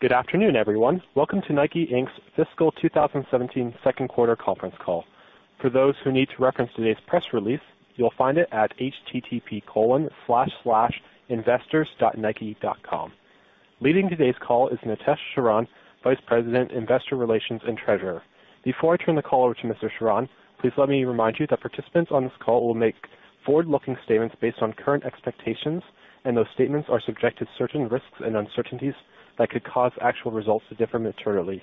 Good afternoon, everyone. Welcome to NIKE, Inc.'s fiscal 2017 second quarter conference call. For those who need to reference today's press release, you'll find it at http://investors.nike.com. Leading today's call is Nitesh Sharan, Vice President, Investor Relations and Treasurer. Before I turn the call over to Mr. Sharan, please let me remind you that participants on this call will make forward-looking statements based on current expectations, and those statements are subject to certain risks and uncertainties that could cause actual results to differ materially.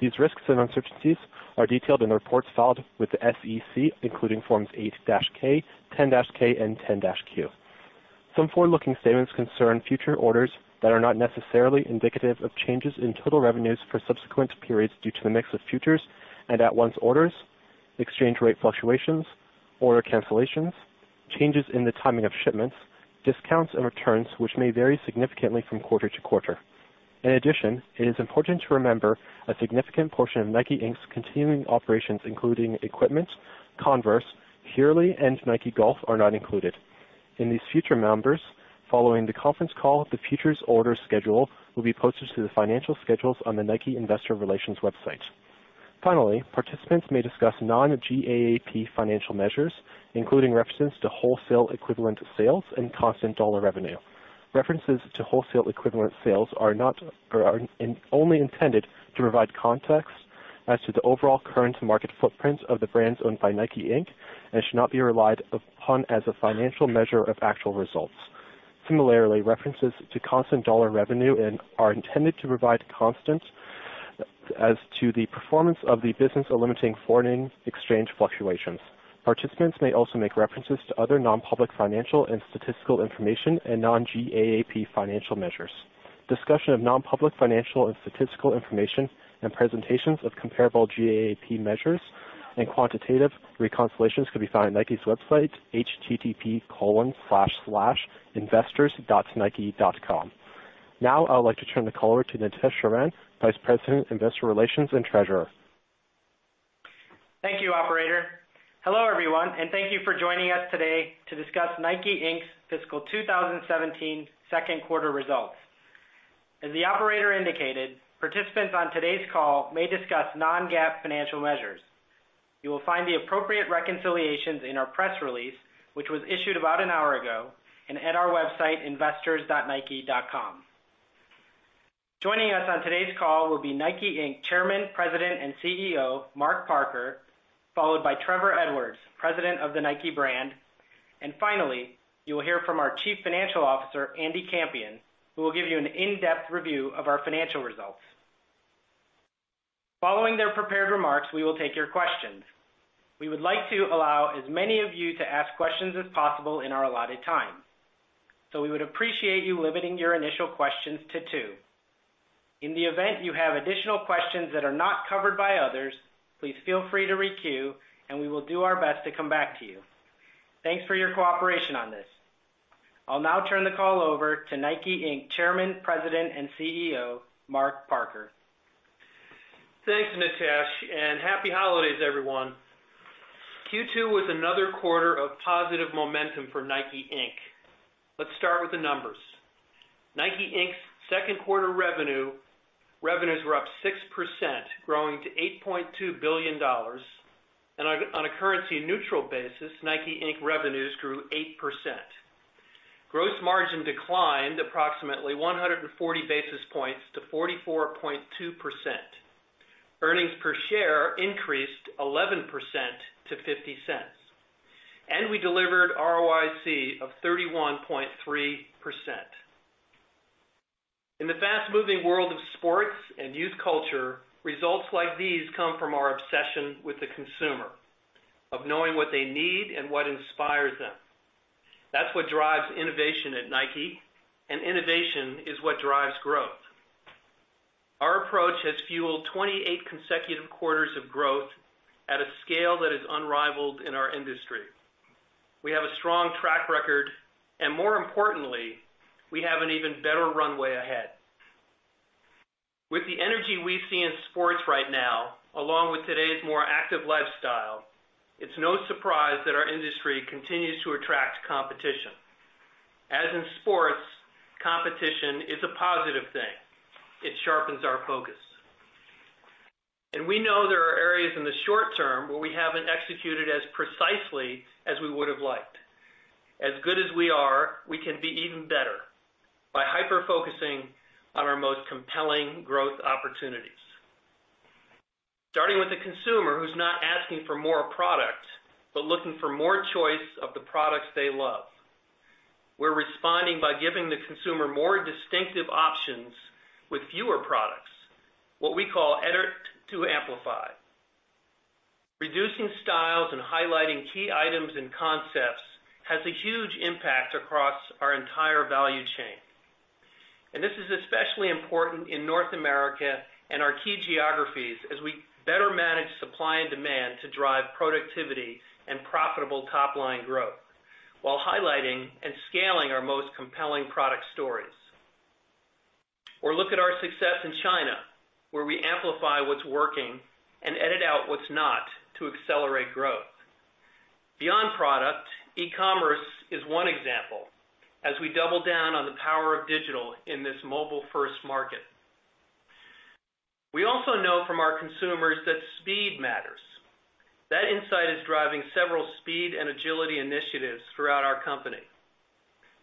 These risks and uncertainties are detailed in the reports filed with the SEC, including Forms 8-K, 10-K, and 10-Q. Some forward-looking statements concern future orders that are not necessarily indicative of changes in total revenues for subsequent periods due to the mix of futures and at-once orders, exchange rate fluctuations, order cancellations, changes in the timing of shipments, discounts and returns which may vary significantly from quarter to quarter. It is important to remember a significant portion of NIKE, Inc.'s continuing operations, including Equipment, Converse, Hurley, and Nike Golf are not included. In these future numbers, following the conference call, the futures order schedule will be posted to the financial schedules on the Nike investor relations website. Participants may discuss non-GAAP financial measures, including references to wholesale equivalent sales and constant dollar revenue. References to wholesale equivalent sales are only intended to provide context as to the overall current market footprint of the brands owned by NIKE, Inc. Should not be relied upon as a financial measure of actual results. Similarly, references to constant dollar revenue are intended to provide context as to the performance of the business eliminating foreign exchange fluctuations. Participants may also make references to other non-public financial and statistical information and non-GAAP financial measures. Discussion of non-public financial and statistical information and presentations of comparable GAAP measures and quantitative reconciliations could be found on Nike's website, http://investors.nike.com. I would like to turn the call over to Nitesh Sharan, Vice President, Investor Relations and Treasurer. Thank you, operator. Hello, everyone, and thank you for joining us today to discuss NIKE, Inc.'s fiscal 2017 second quarter results. As the operator indicated, participants on today's call may discuss non-GAAP financial measures. You will find the appropriate reconciliations in our press release, which was issued about an hour ago, and at our website, investors.nike.com. Joining us on today's call will be NIKE, Inc. Chairman, President, and CEO, Mark Parker, followed by Trevor Edwards, President of the Nike brand. You will hear from our Chief Financial Officer, Andy Campion, who will give you an in-depth review of our financial results. Following their prepared remarks, we will take your questions. We would like to allow as many of you to ask questions as possible in our allotted time. We would appreciate you limiting your initial questions to two. In the event you have additional questions that are not covered by others, please feel free to re-queue, we will do our best to come back to you. Thanks for your cooperation on this. I will now turn the call over to NIKE, Inc. Chairman, President, and CEO, Mark Parker. Thanks, Nitesh, happy holidays, everyone. Q2 was another quarter of positive momentum for NIKE, Inc. Let’s start with the numbers. NIKE, Inc.’s second quarter revenues were up 6%, growing to $8.2 billion. On a currency-neutral basis, NIKE, Inc. revenues grew 8%. Gross margin declined approximately 140 basis points to 44.2%. Earnings per share increased 11% to $0.50. We delivered ROIC of 31.3%. In the fast-moving world of sports and youth culture, results like these come from our obsession with the consumer, of knowing what they need and what inspires them. That’s what drives innovation at Nike, innovation is what drives growth. Our approach has fueled 28 consecutive quarters of growth at a scale that is unrivaled in our industry. We have a strong track record, and more importantly, we have an even better runway ahead. With the energy we see in sports right now, along with today’s more active lifestyle, it’s no surprise that our industry continues to attract competition. As in sports, competition is a positive thing. It sharpens our focus. We know there are areas in the short term where we haven’t executed as precisely as we would’ve liked. As good as we are, we can be even better by hyper-focusing on our most compelling growth opportunities. Starting with the consumer who’s not asking for more product, but looking for more choice of the products they love. We’re responding by giving the consumer more distinctive options with fewer products, what we call Edit to Amplify. Reducing styles and highlighting key items and concepts has a huge impact across our entire value chain. This is especially important in North America and our key geographies as we better manage supply and demand to drive productivity and profitable top-line growth while highlighting and scaling our most compelling product stories. Look at our success in China, where we amplify what’s working and edit out what’s not to accelerate growth. Beyond product, e-commerce is one example. As we double down on the power of digital in this mobile-first market. We also know from our consumers that speed matters. That insight is driving several speed and agility initiatives throughout our company.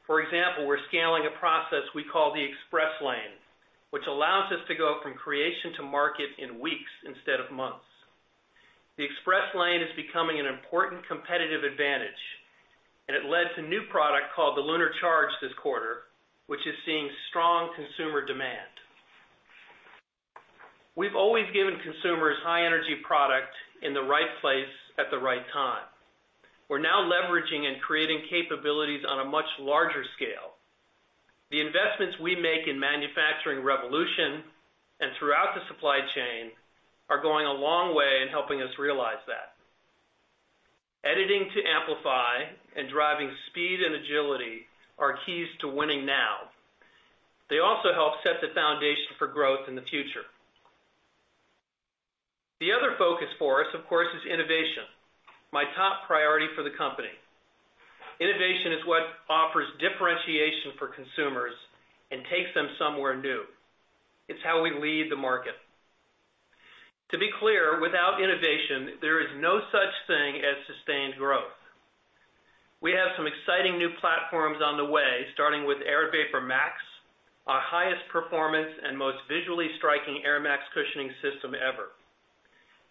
For example, we’re scaling a process we call the Express Lane, which allows us to go from creation to market in weeks instead of months. The Express Lane is becoming an important competitive advantage, and it led to a new product called the LunarCharge this quarter, which is seeing strong consumer demand. We've always given consumers high-energy product in the right place at the right time. We're now leveraging and creating capabilities on a much larger scale. The investments we make in manufacturing revolution and throughout the supply chain are going a long way in helping us realize that. Edit to Amplify and driving speed and agility are keys to winning now. They also help set the foundation for growth in the future. The other focus for us, of course, is innovation, my top priority for the company. Innovation is what offers differentiation for consumers and takes them somewhere new. It's how we lead the market. To be clear, without innovation, there is no such thing as sustained growth. We have some exciting new platforms on the way, starting with Air VaporMax, our highest performance and most visually striking Air Max cushioning system ever.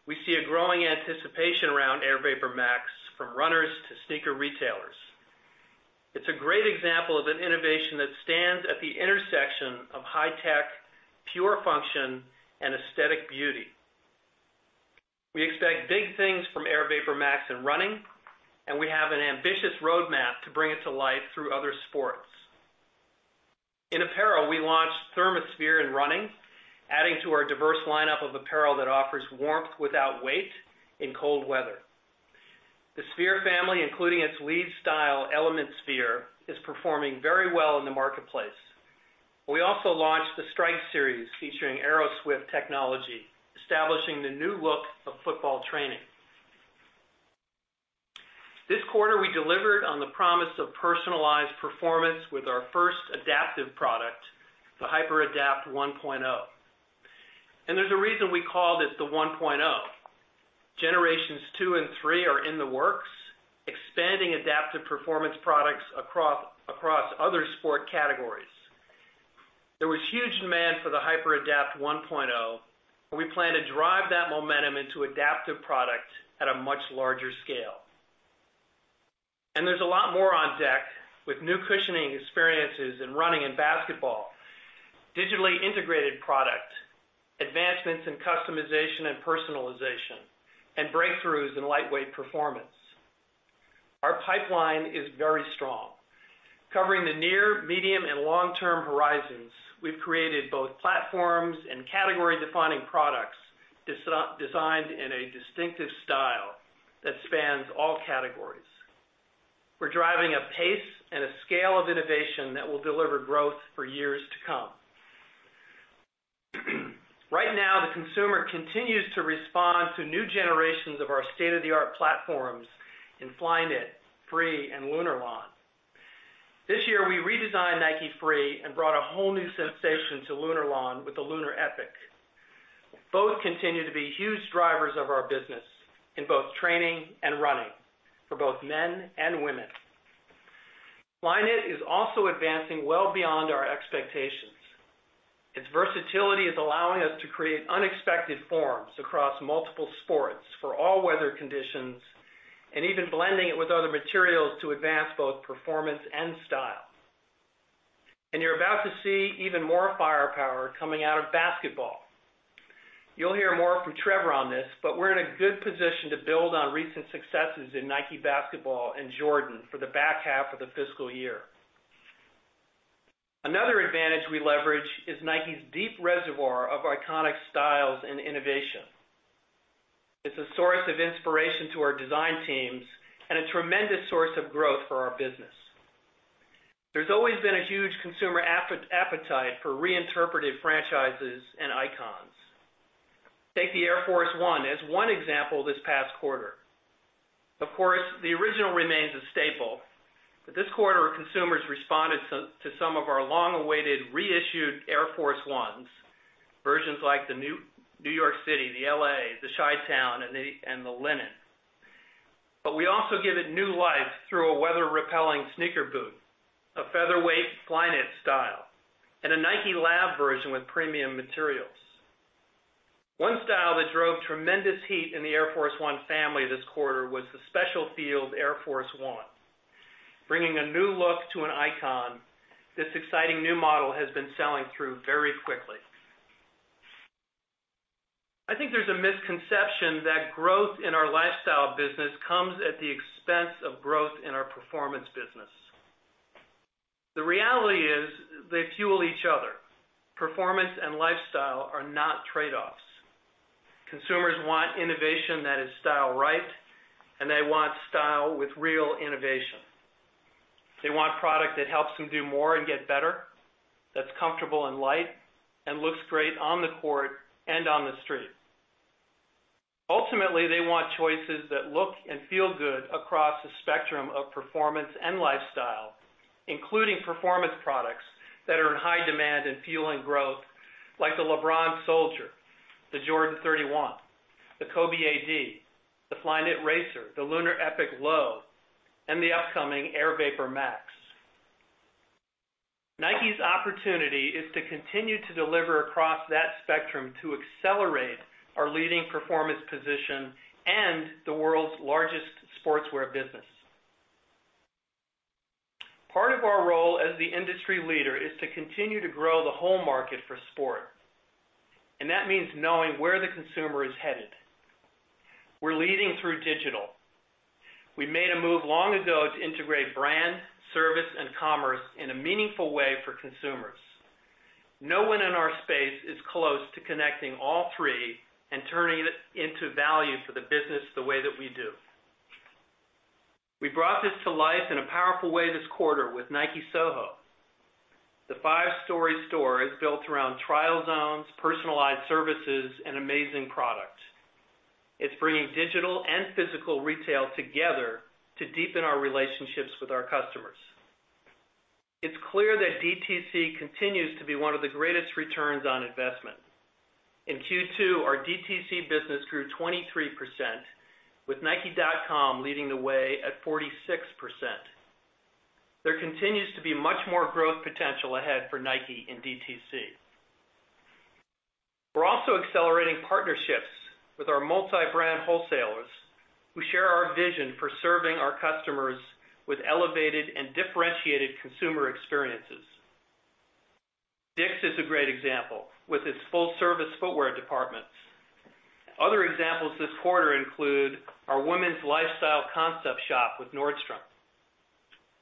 We see a growing anticipation around Air VaporMax from runners to sneaker retailers. It's a great example of an innovation that stands at the intersection of high tech, pure function, and aesthetic beauty. We expect big things from Air VaporMax in running, we have an ambitious roadmap to bring it to life through other sports. In apparel, we launched Therma Sphere in running, adding to our diverse lineup of apparel that offers warmth without weight in cold weather. The Sphere family, including its lead style Element Sphere, is performing very well in the marketplace. We also launched the Strike Series featuring AeroSwift technology, establishing the new look of football training. This quarter, we delivered on the promise of personalized performance with our first adaptive product, the HyperAdapt 1.0. There’s a reason we call this the 1.0. Generations 2 and 3 are in the works, expanding adaptive performance products across other sport categories. There was huge demand for the HyperAdapt 1.0, we plan to drive that momentum into adaptive product at a much larger scale. There’s a lot more on deck with new cushioning experiences in running and basketball, digitally integrated product, advancements in customization and personalization, and breakthroughs in lightweight performance. Our pipeline is very strong. Covering the near, medium, and long-term horizons, we've created both platforms and category-defining products designed in a distinctive style that spans all categories. We’re driving a pace and a scale of innovation that will deliver growth for years to come. Right now, the consumer continues to respond to new generations of our state-of-the-art platforms in Flyknit, Free, and Lunarlon. This year, we redesigned Nike Free and brought a whole new sensation to Lunarlon with the LunarEpic. Both continue to be huge drivers of our business in both training and running for both men and women. Flyknit is also advancing well beyond our expectations. Its versatility is allowing us to create unexpected forms across multiple sports for all weather conditions and even blending it with other materials to advance both performance and style. You’re about to see even more firepower coming out of basketball. You’ll hear more from Trevor on this, but we’re in a good position to build on recent successes in Nike Basketball and Jordan for the back half of the fiscal year. Another advantage we leverage is Nike’s deep reservoir of iconic styles and innovation. It’s a source of inspiration to our design teams and a tremendous source of growth for our business. There’s always been a huge consumer appetite for reinterpreted franchises and icons. Take the Air Force 1 as one example this past quarter. Of course, the original remains a staple, but this quarter, consumers responded to some of our long-awaited reissued Air Force 1s. Versions like the New York City, the L.A., the Chi Town, and the Linen. We also give it new life through a weather-repelling sneaker boot, a featherweight Flyknit style, and a NikeLab version with premium materials. One style that drove tremendous heat in the Air Force 1 family this quarter was the Special Field Air Force 1. Bringing a new look to an icon, this exciting new model has been selling through very quickly. I think there’s a misconception that growth in our lifestyle business comes at the expense of growth in our performance business. The reality is they fuel each other. Performance Are not trade-offs. Consumers want innovation that is style right, and they want style with real innovation. They want product that helps them do more and get better, that's comfortable and light, and looks great on the court and on the street. Ultimately, they want choices that look and feel good across a spectrum of performance and lifestyle, including performance products that are in high demand and fueling growth, like the LeBron Soldier, the Jordan 31, the Kobe A.D., the Flyknit Racer, the LunarEpic Low, and the upcoming Air VaporMax. Nike's opportunity is to continue to deliver across that spectrum to accelerate our leading performance position and the world's largest sportswear business. Part of our role as the industry leader is to continue to grow the whole market for sport. That means knowing where the consumer is headed. We're leading through digital. We made a move long ago to integrate brand, service, and commerce in a meaningful way for consumers. No one in our space is close to connecting all three and turning it into value for the business the way that we do. We brought this to life in a powerful way this quarter with Nike Soho. The five-story store is built around trial zones, personalized services, and amazing product. It's bringing digital and physical retail together to deepen our relationships with our customers. It's clear that DTC continues to be one of the greatest returns on investment. In Q2, our DTC business grew 23%, with nike.com leading the way at 46%. There continues to be much more growth potential ahead for Nike in DTC. We're also accelerating partnerships with our multi-brand wholesalers who share our vision for serving our customers with elevated and differentiated consumer experiences. DICK'S is a great example with its full-service footwear departments. Other examples this quarter include our women's lifestyle concept shop with Nordstrom,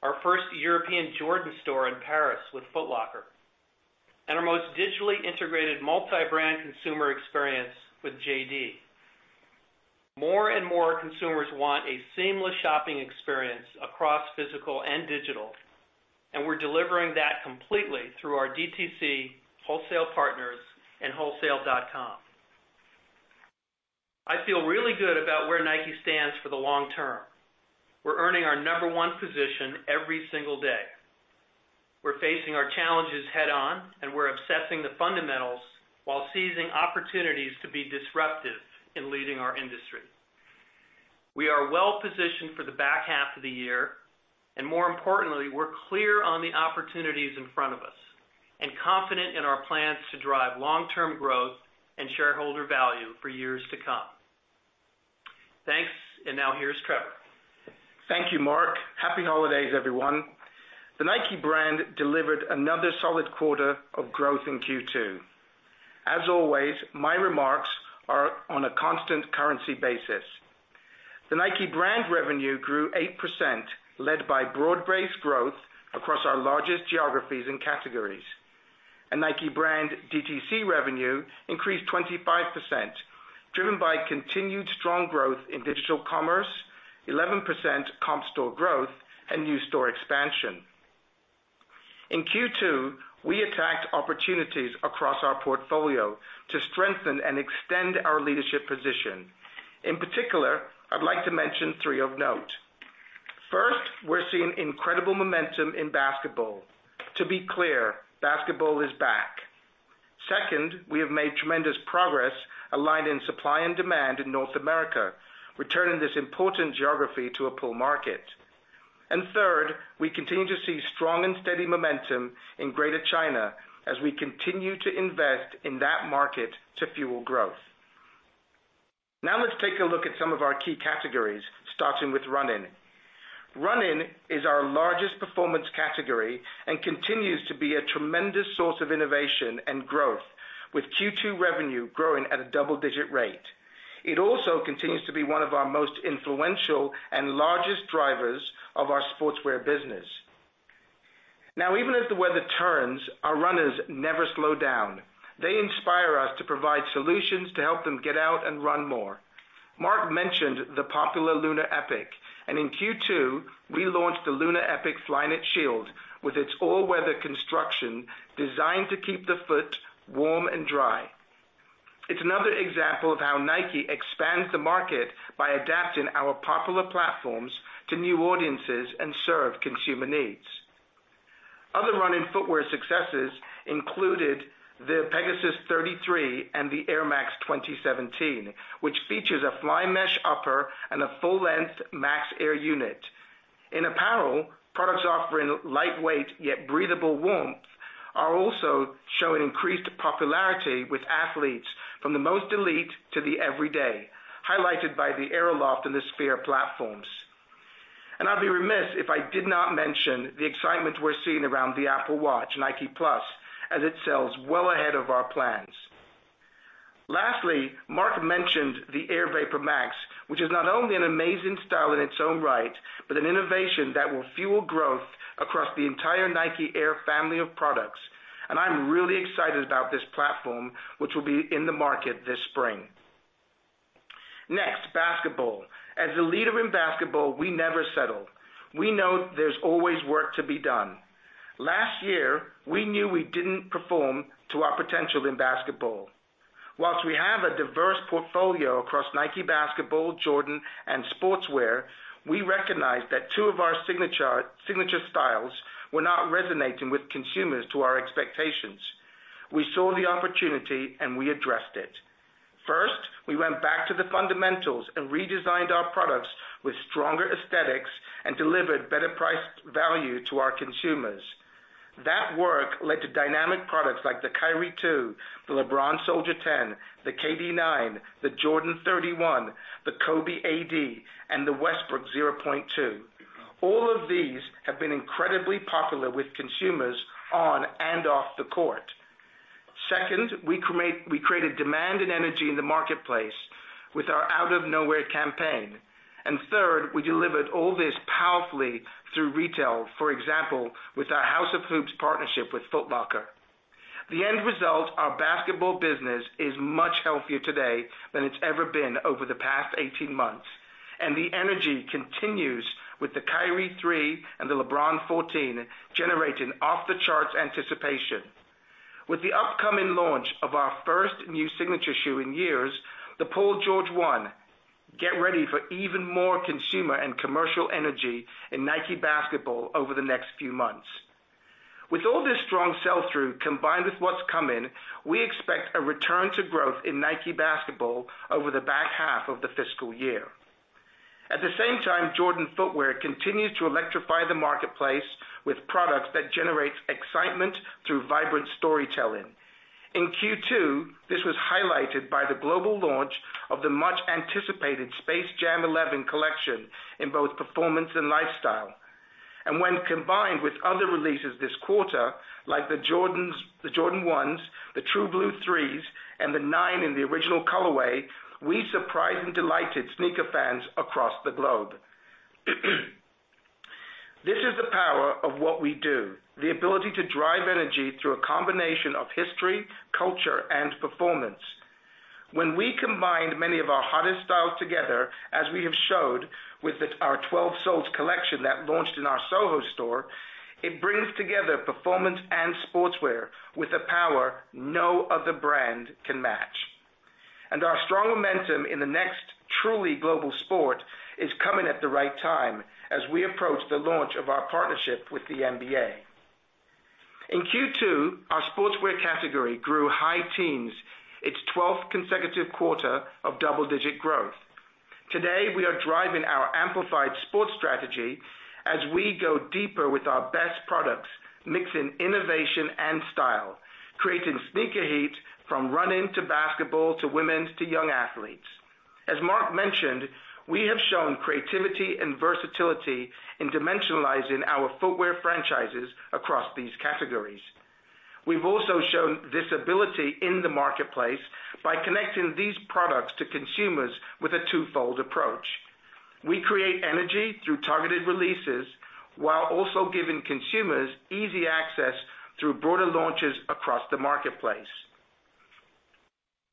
our first European Jordan store in Paris with Foot Locker, and our most digitally integrated multi-brand consumer experience with JD. More and more consumers want a seamless shopping experience across physical and digital, and we're delivering that completely through our DTC wholesale partners and wholesale.com. I feel really good about where Nike stands for the long term. We're earning our number 1 position every single day. We're facing our challenges head-on, and we're obsessing the fundamentals while seizing opportunities to be disruptive in leading our industry. We are well positioned for the back half of the year, and more importantly, we're clear on the opportunities in front of us and confident in our plans to drive long-term growth and shareholder value for years to come. Thanks. Now here's Trevor. Thank you, Mark. Happy holidays, everyone. The Nike brand delivered another solid quarter of growth in Q2. As always, my remarks are on a constant currency basis. The Nike brand revenue grew 8%, led by broad-based growth across our largest geographies and categories. Nike brand DTC revenue increased 25%, driven by continued strong growth in digital commerce, 11% comp store growth, and new store expansion. In Q2, we attacked opportunities across our portfolio to strengthen and extend our leadership position. In particular, I'd like to mention three of note. First, we're seeing incredible momentum in basketball. To be clear, basketball is back. Second, we have made tremendous progress aligned in supply and demand in North America, returning this important geography to a pull market. Third, we continue to see strong and steady momentum in Greater China as we continue to invest in that market to fuel growth. Let's take a look at some of our key categories, starting with running. Running is our largest performance category and continues to be a tremendous source of innovation and growth, with Q2 revenue growing at a double-digit rate. It also continues to be one of our most influential and largest drivers of our sportswear business. Even as the weather turns, our runners never slow down. They inspire us to provide solutions to help them get out and run more. Mark mentioned the popular LunarEpic. In Q2, we launched the LunarEpic Flyknit Shield with its all-weather construction designed to keep the foot warm and dry. It's another example of how Nike expands the market by adapting our popular platforms to new audiences and serve consumer needs. Other running footwear successes included the Pegasus 33 and the Air Max 2017, which features a Flymesh upper and a full-length Max Air unit. In apparel, products offering lightweight yet breathable warmth are also showing increased popularity with athletes from the most elite to the everyday, highlighted by the AeroLoft and the Sphere platforms. I'd be remiss if I did not mention the excitement we're seeing around the Apple Watch Nike+, as it sells well ahead of our plans. Lastly, Mark mentioned the Air VaporMax, which is not only an amazing style in its own right, but an innovation that will fuel growth across the entire Nike Air family of products. I'm really excited about this platform, which will be in the market this spring. Next, basketball. As a leader in basketball, we never settle. We know there's always work to be done. Last year, we knew we didn't perform to our potential in basketball. Whilst we have a diverse portfolio across Nike Basketball, Jordan, and Sportswear, we recognized that two of our signature styles were not resonating with consumers to our expectations. We saw the opportunity, and we addressed it. First, we went back to the fundamentals and redesigned our products with stronger aesthetics and delivered better price value to our consumers. That work led to dynamic products like the Kyrie 2, the LeBron Soldier 10, the KD 9, the Jordan 31, the Kobe A.D., and the Westbrook 0.2. All of these have been incredibly popular with consumers on and off the court. Second, we created demand and energy in the marketplace with our Out of Nowhere campaign. Third, we delivered all this powerfully through retail. For example, with our House of Hoops partnership with Foot Locker. The end result, our basketball business is much healthier today than it's ever been over the past 18 months, and the energy continues with the Kyrie 3 and the LeBron 14, generating off-the-charts anticipation. With the upcoming launch of our first new signature shoe in years, the Paul George 1, get ready for even more consumer and commercial energy in Nike Basketball over the next few months. With all this strong sell-through, combined with what's coming, we expect a return to growth in Nike Basketball over the back half of the fiscal year. At the same time, Jordan footwear continues to electrify the marketplace with products that generate excitement through vibrant storytelling. In Q2, this was highlighted by the global launch of the much-anticipated Space Jam 11 collection in both performance and lifestyle. When combined with other releases this quarter, like the Jordan 1s, the True Blue 3s, and the 9 in the original colorway, we surprised and delighted sneaker fans across the globe. This is the power of what we do, the ability to drive energy through a combination of history, culture, and performance. When we combined many of our hottest styles together, as we have showed with our 12 Soles collection that launched in our Soho store, it brings together performance and Sportswear with a power no other brand can match. Our strong momentum in the next truly global sport is coming at the right time as we approach the launch of our partnership with the NBA. In Q2, our Sportswear category grew high teens, its 12th consecutive quarter of double-digit growth. Today, we are driving our amplified sports strategy as we go deeper with our best products, mixing innovation and style, creating sneaker heat from running to basketball to women's to young athletes. As Mark mentioned, we have shown creativity and versatility in dimensionalizing our footwear franchises across these categories. We've also shown this ability in the marketplace by connecting these products to consumers with a twofold approach. We create energy through targeted releases while also giving consumers easy access through broader launches across the marketplace.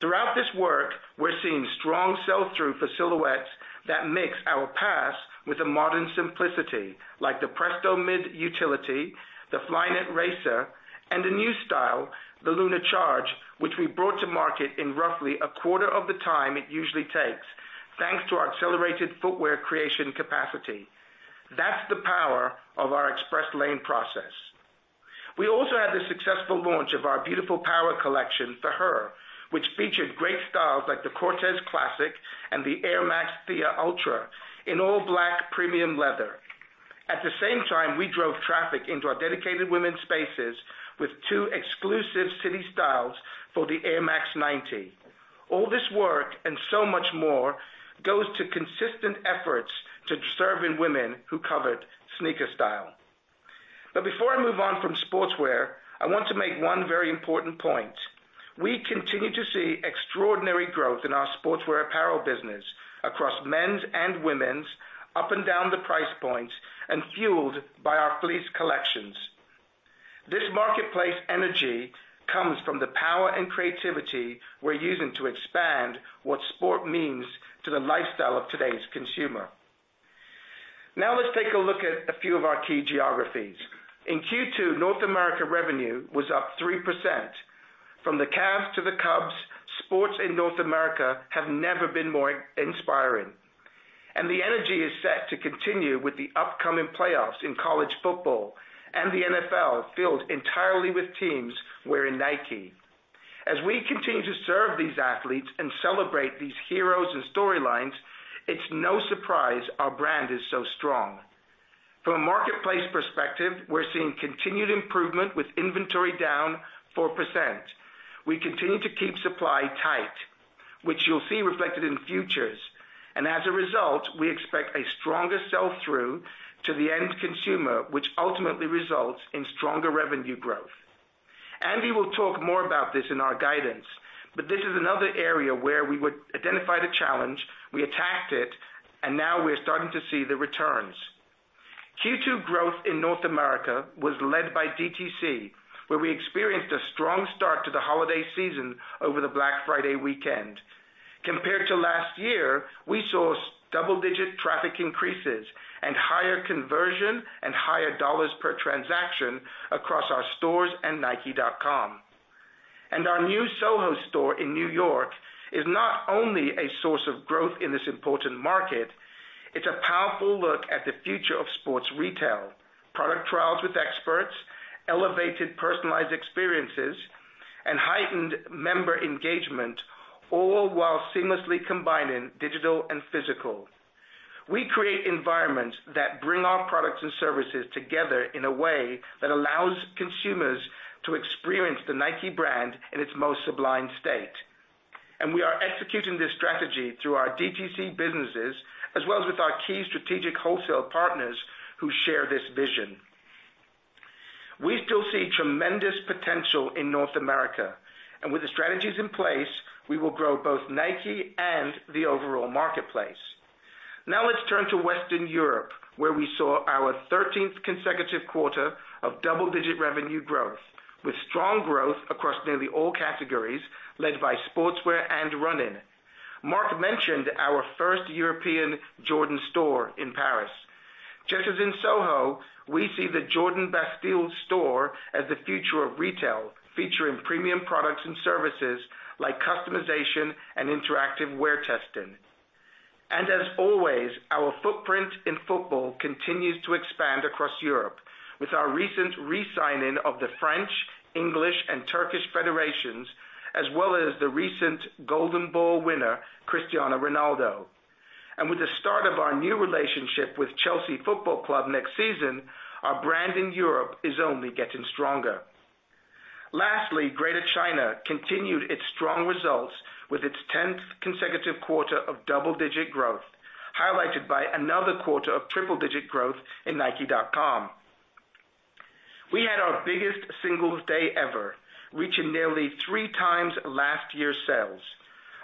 Throughout this work, we're seeing strong sell-through for silhouettes that mix our past with a modern simplicity, like the Presto Mid Utility, the Flyknit Racer, and a new style, the LunarCharge, which we brought to market in roughly a quarter of the time it usually takes, thanks to our accelerated footwear creation capacity. That's the power of our Express Lane process. We also had the successful launch of our Beautiful x Powerful collection for her, which featured great styles like the Classic Cortez and the Air Max Thea Ultra in all black premium leather. At the same time, we drove traffic into our dedicated women's spaces with two exclusive city styles for the Air Max 90. All this work, and so much more, goes to consistent efforts to serving women who covered sneaker style. Before I move on from Sportswear, I want to make one very important point. We continue to see extraordinary growth in our Sportswear apparel business across men's and women's, up and down the price points, and fueled by our fleece collections. This marketplace energy comes from the power and creativity we're using to expand what sport means to the lifestyle of today's consumer. Let's take a look at a few of our key geographies. In Q2, North America revenue was up 3%. From the Cavs to the Cubs, sports in North America have never been more inspiring. The energy is set to continue with the upcoming playoffs in college football and the NFL filled entirely with teams wearing Nike. As we continue to serve these athletes and celebrate these heroes and storylines, it's no surprise our brand is so strong. From a marketplace perspective, we're seeing continued improvement with inventory down 4%. We continue to keep supply tight, which you'll see reflected in futures. As a result, we expect a stronger sell-through to the end consumer, which ultimately results in stronger revenue growth. Andy will talk more about this in our guidance, this is another area where we would identify the challenge, we attacked it, and now we're starting to see the returns. Q2 growth in North America was led by DTC, where we experienced a strong start to the holiday season over the Black Friday weekend. Compared to last year, we saw double-digit traffic increases and higher conversion and higher dollars per transaction across our stores and nike.com. Our new Soho store in New York is not only a source of growth in this important market, it's a powerful look at the future of sports retail. Product trials with experts, elevated personalized experiences, and heightened member engagement, all while seamlessly combining digital and physical. We create environments that bring our products and services together in a way that allows consumers to experience the Nike brand in its most sublime state. We are executing this strategy through our DTC businesses, as well as with our key strategic wholesale partners who share this vision. We still see tremendous potential in North America, with the strategies in place, we will grow both Nike and the overall marketplace. Let's turn to Western Europe, where we saw our 13th consecutive quarter of double-digit revenue growth, with strong growth across nearly all categories, led by Sportswear and running. Mark mentioned our first European Jordan store in Paris. Just as in Soho, we see the Jordan Bastille store as the future of retail, featuring premium products and services like customization and interactive wear testing. As always, our footprint in football continues to expand across Europe with our recent re-signing of the French, English, and Turkish federations, as well as the recent Golden Ball winner, Cristiano Ronaldo. With the start of our new relationship with Chelsea Football Club next season, our brand in Europe is only getting stronger. Lastly, Greater China continued its strong results with its 10th consecutive quarter of double-digit growth, highlighted by another quarter of triple-digit growth in nike.com. We had our biggest Singles' Day ever, reaching nearly three times last year's sales.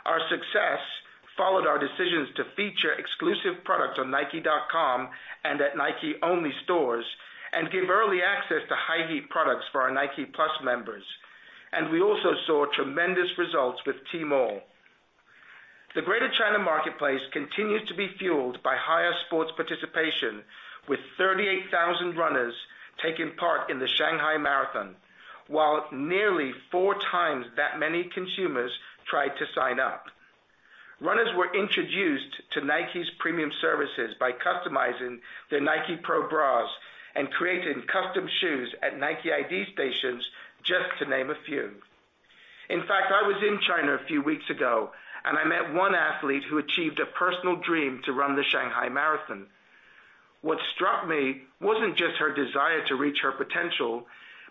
Our success followed our decisions to feature exclusive products on nike.com and at Nike-only stores and give early access to high heat products for our Nike+ members. We also saw tremendous results with Tmall. The Greater China marketplace continued to be fueled by higher sports participation, with 38,000 runners taking part in the Shanghai Marathon, while nearly four times that many consumers tried to sign up. Runners were introduced to Nike's premium services by customizing their Nike Pro bras and creating custom shoes at NIKEiD stations, just to name a few. In fact, I was in China a few weeks ago, and I met one athlete who achieved a personal dream to run the Shanghai Marathon. What struck me wasn't just her desire to reach her potential,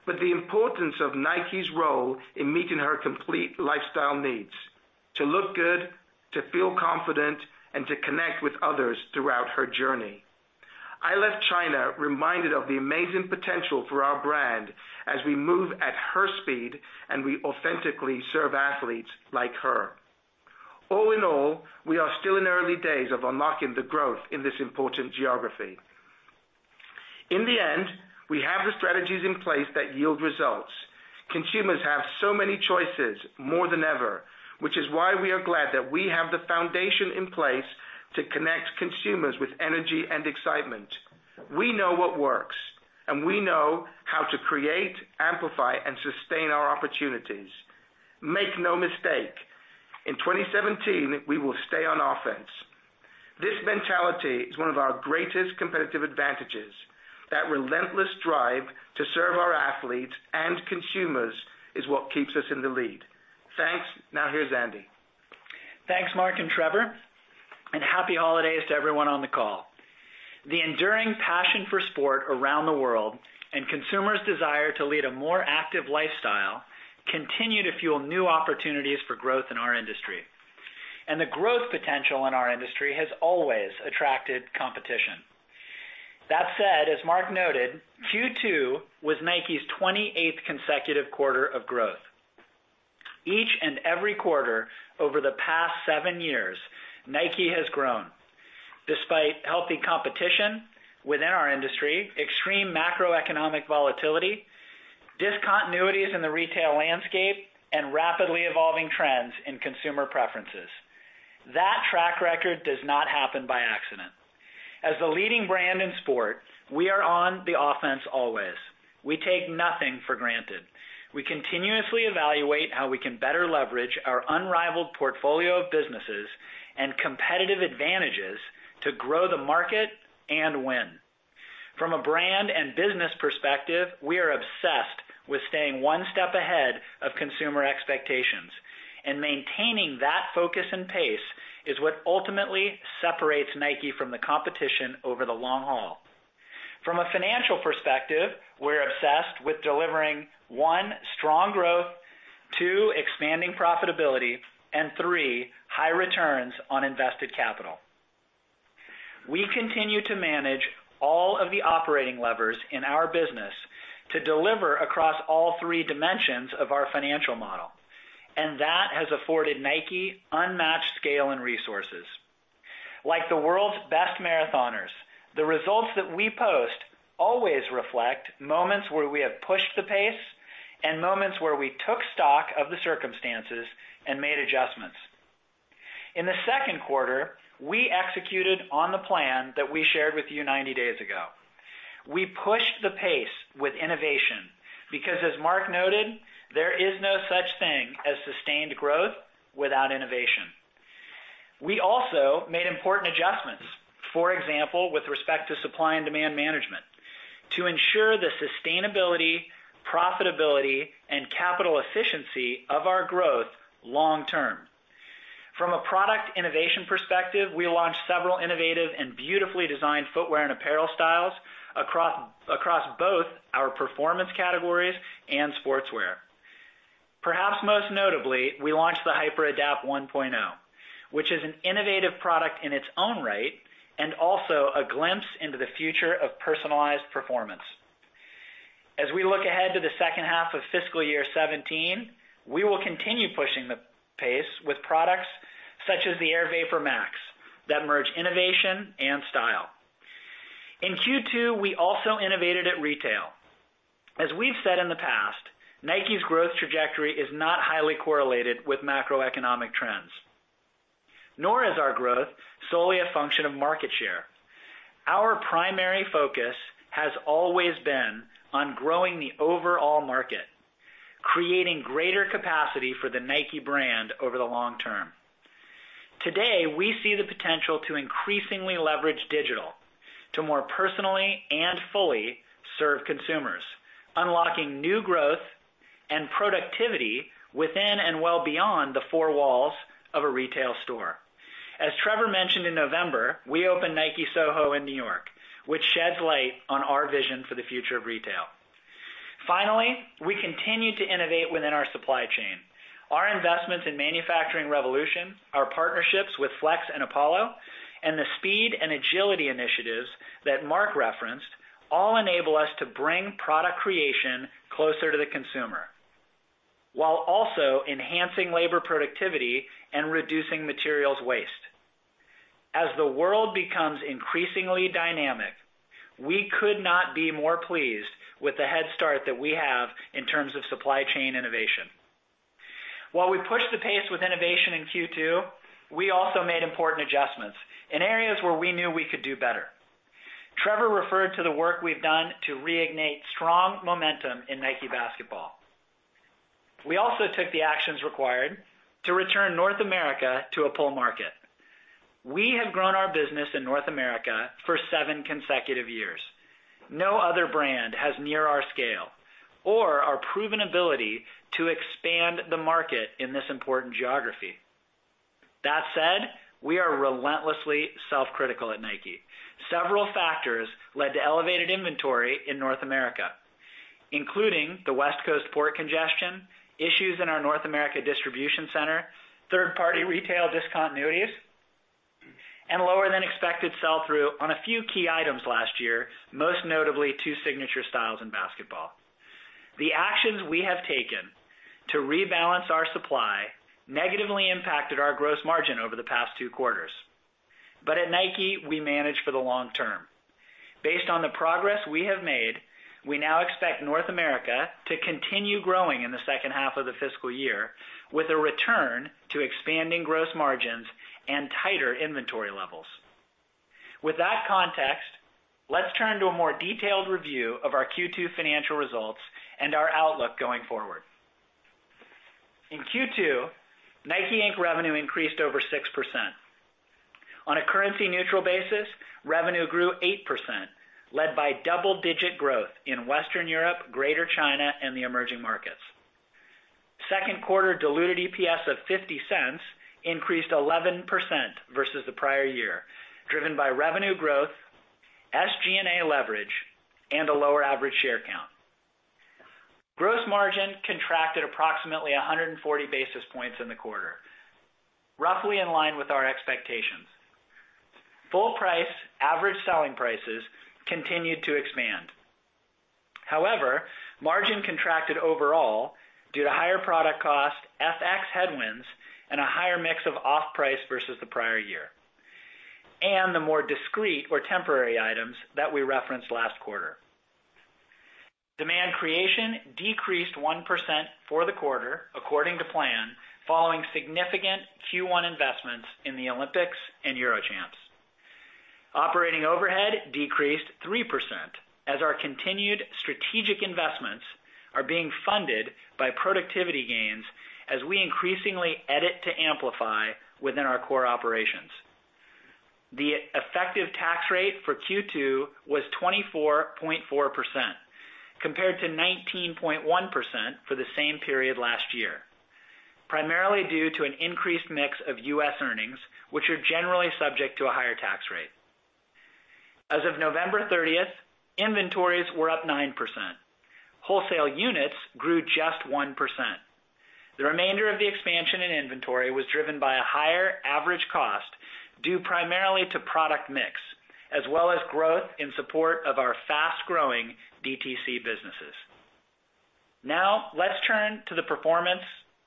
but the importance of Nike's role in meeting her complete lifestyle needs. To look good, to feel confident, and to connect with others throughout her journey. I left China reminded of the amazing potential for our brand as we move at her speed and we authentically serve athletes like her. All in all, we are still in the early days of unlocking the growth in this important geography. In the end, we have the strategies in place that yield results. Consumers have so many choices, more than ever, which is why we are glad that we have the foundation in place to connect consumers with energy and excitement. We know what works, we know how to create, amplify, and sustain our opportunities. Make no mistake, in 2017, we will stay on offense. This mentality is one of our greatest competitive advantages. That relentless drive to serve our athletes and consumers is what keeps us in the lead. Thanks. Now, here's Andy. Thanks, Mark and Trevor, happy holidays to everyone on the call. The enduring passion for sport around the world and consumers' desire to lead a more active lifestyle continue to fuel new opportunities for growth in our industry. The growth potential in our industry has always attracted competition. That said, as Mark noted, Q2 was Nike's 28th consecutive quarter of growth. Each and every quarter over the past seven years, Nike has grown despite healthy competition within our industry, extreme macroeconomic volatility, discontinuities in the retail landscape, and rapidly evolving trends in consumer preferences. That track record does not happen by accident. As the leading brand in sport, we are on the offense always. We take nothing for granted. We continuously evaluate how we can better leverage our unrivaled portfolio of businesses and competitive advantages to grow the market and win. From a brand and business perspective, we are obsessed with staying one step ahead of consumer expectations. Maintaining that focus and pace is what ultimately separates Nike from the competition over the long haul. From a financial perspective, we're obsessed with delivering, one, strong growth; two, expanding profitability; and three, high returns on invested capital. We continue to manage all of the operating levers in our business to deliver across all three dimensions of our financial model, and that has afforded Nike unmatched scale and resources. Like the world's best marathoners, the results that we post always reflect moments where we have pushed the pace and moments where we took stock of the circumstances and made adjustments. In the second quarter, we executed on the plan that we shared with you 90 days ago. We pushed the pace with innovation because, as Mark noted, there is no such thing as sustained growth without innovation. We also made important adjustments. For example, with respect to supply and demand management to ensure the sustainability, profitability, and capital efficiency of our growth long term. From a product innovation perspective, we launched several innovative and beautifully designed footwear and apparel styles across both our performance categories and sportswear. Perhaps most notably, we launched the HyperAdapt 1.0, which is an innovative product in its own right, and also a glimpse into the future of personalized performance. As we look ahead to the second half of fiscal year 2017, we will continue pushing the pace with products such as the Air VaporMax that merge innovation and style. In Q2, we also innovated at retail. We've said in the past, Nike's growth trajectory is not highly correlated with macroeconomic trends, nor is our growth solely a function of market share. Our primary focus has always been on growing the overall market, creating greater capacity for the Nike brand over the long term. Today, we see the potential to increasingly leverage digital to more personally and fully serve consumers, unlocking new growth and productivity within and well beyond the four walls of a retail store. As Trevor mentioned in November, we opened Nike Soho in New York, which sheds light on our vision for the future of retail. Finally, we continue to innovate within our supply chain. Our investments in manufacturing revolution, our partnerships with Flex and Apollo, and the speed and agility initiatives that Mark referenced all enable us to bring product creation closer to the consumer while also enhancing labor productivity and reducing materials waste. As the world becomes increasingly dynamic, we could not be more pleased with the head start that we have in terms of supply chain innovation. While we pushed the pace with innovation in Q2, we also made important adjustments in areas where we knew we could do better. Trevor referred to the work we've done to reignite strong momentum in Nike Basketball. We also took the actions required to return North America to a pull market. We have grown our business in North America for seven consecutive years. No other brand has near our scale or our proven ability to expand the market in this important geography. That said, we are relentlessly self-critical at Nike. Several factors led to elevated inventory in North America, including the West Coast port congestion, issues in our North America distribution center, third-party retail discontinuities, and lower than expected sell-through on a few key items last year, most notably two signature styles in basketball. The actions we have taken to rebalance our supply negatively impacted our gross margin over the past two quarters. At NIKE, Inc., we manage for the long term. Based on the progress we have made, we now expect North America to continue growing in the second half of the fiscal year with a return to expanding gross margins and tighter inventory levels. With that context, let's turn to a more detailed review of our Q2 financial results and our outlook going forward. In Q2, NIKE, Inc. revenue increased over 6%. On a currency-neutral basis, revenue grew 8%, led by double-digit growth in Western Europe, Greater China, and the emerging markets. Second quarter diluted EPS of $0.50 increased 11% versus the prior year, driven by revenue growth, SG&A leverage, and a lower average share count. Gross margin contracted approximately 140 basis points in the quarter, roughly in line with our expectations. Full price average selling prices continued to expand. However, margin contracted overall due to higher product cost, FX headwinds, and a higher mix of off-price versus the prior year, and the more discrete or temporary items that we referenced last quarter. Demand creation decreased 1% for the quarter according to plan, following significant Q1 investments in the Olympics and Eurochamps. Operating overhead decreased 3% as our continued strategic investments are being funded by productivity gains as we increasingly Edit to Amplify within our core operations. The effective tax rate for Q2 was 24.4% compared to 19.1% for the same period last year. Primarily due to an increased mix of U.S. earnings, which are generally subject to a higher tax rate. As of November 30th, inventories were up 9%. Wholesale units grew just 1%. The remainder of the expansion in inventory was driven by a higher average cost due primarily to product mix, as well as growth in support of our fast-growing DTC businesses. Now, let's turn to the performance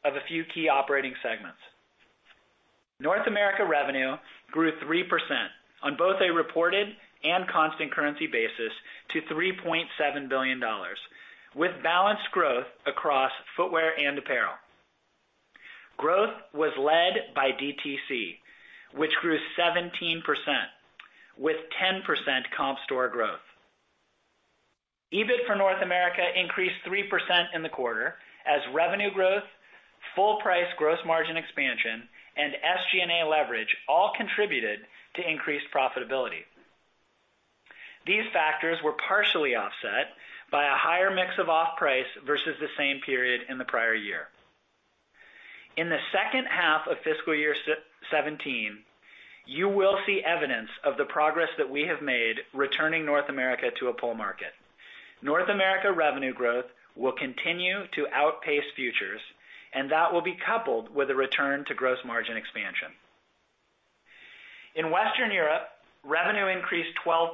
of a few key operating segments. North America revenue grew 3% on both a reported and constant currency basis to $3.7 billion with balanced growth across footwear and apparel. Growth was led by DTC, which grew 17% with 10% comp store growth. EBIT for North America increased 3% in the quarter as revenue growth, full price gross margin expansion, and SG&A leverage all contributed to increased profitability. These factors were partially offset by a higher mix of off-price versus the same period in the prior year. In the second half of fiscal year 2017, you will see evidence of the progress that we have made returning North America to a pull market. North America revenue growth will continue to outpace futures, and that will be coupled with a return to gross margin expansion. In Western Europe, revenue increased 12%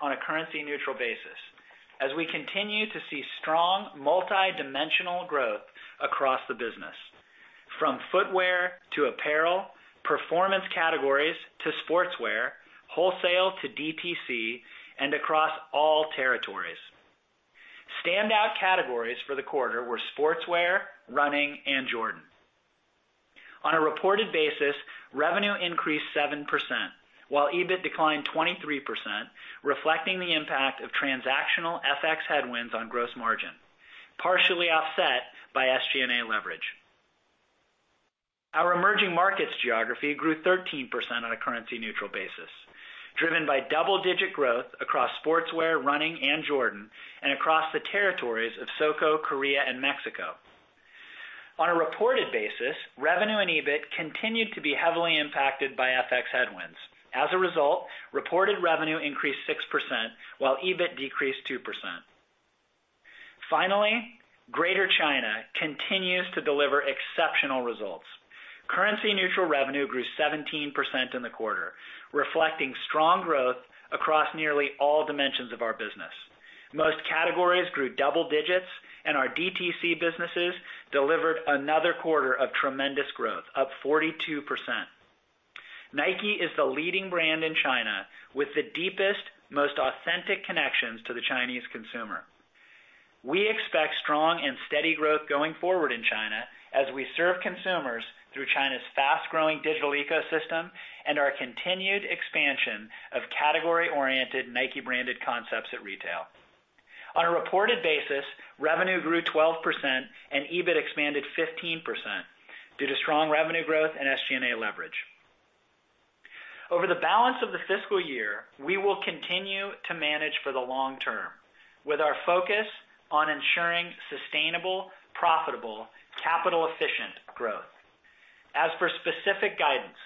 on a currency-neutral basis as we continue to see strong multi-dimensional growth across the business, from footwear to apparel, performance categories to sportswear, wholesale to DTC, and across all territories. Standout categories for the quarter were sportswear, running, and Jordan. On a reported basis, revenue increased 7%, while EBIT declined 23%, reflecting the impact of transactional FX headwinds on gross margin, partially offset by SG&A leverage. Our emerging markets geography grew 13% on a currency-neutral basis, driven by double-digit growth across sportswear, running, and Jordan and across the territories of SOCO, Korea, and Mexico. On a reported basis, revenue and EBIT continued to be heavily impacted by FX headwinds. As a result, reported revenue increased 6%, while EBIT decreased 2%. Finally, Greater China continues to deliver exceptional results. Currency-neutral revenue grew 17% in the quarter, reflecting strong growth across nearly all dimensions of our business. Most categories grew double digits, and our DTC businesses delivered another quarter of tremendous growth, up 42%. Nike is the leading brand in China with the deepest, most authentic connections to the Chinese consumer. We expect strong and steady growth going forward in China as we serve consumers through China's fast-growing digital ecosystem and our continued expansion of category-oriented Nike-branded concepts at retail. On a reported basis, revenue grew 12% and EBIT expanded 15% due to strong revenue growth and SG&A leverage. Over the balance of the fiscal year, we will continue to manage for the long term with our focus on ensuring sustainable, profitable, capital-efficient growth. As for specific guidance,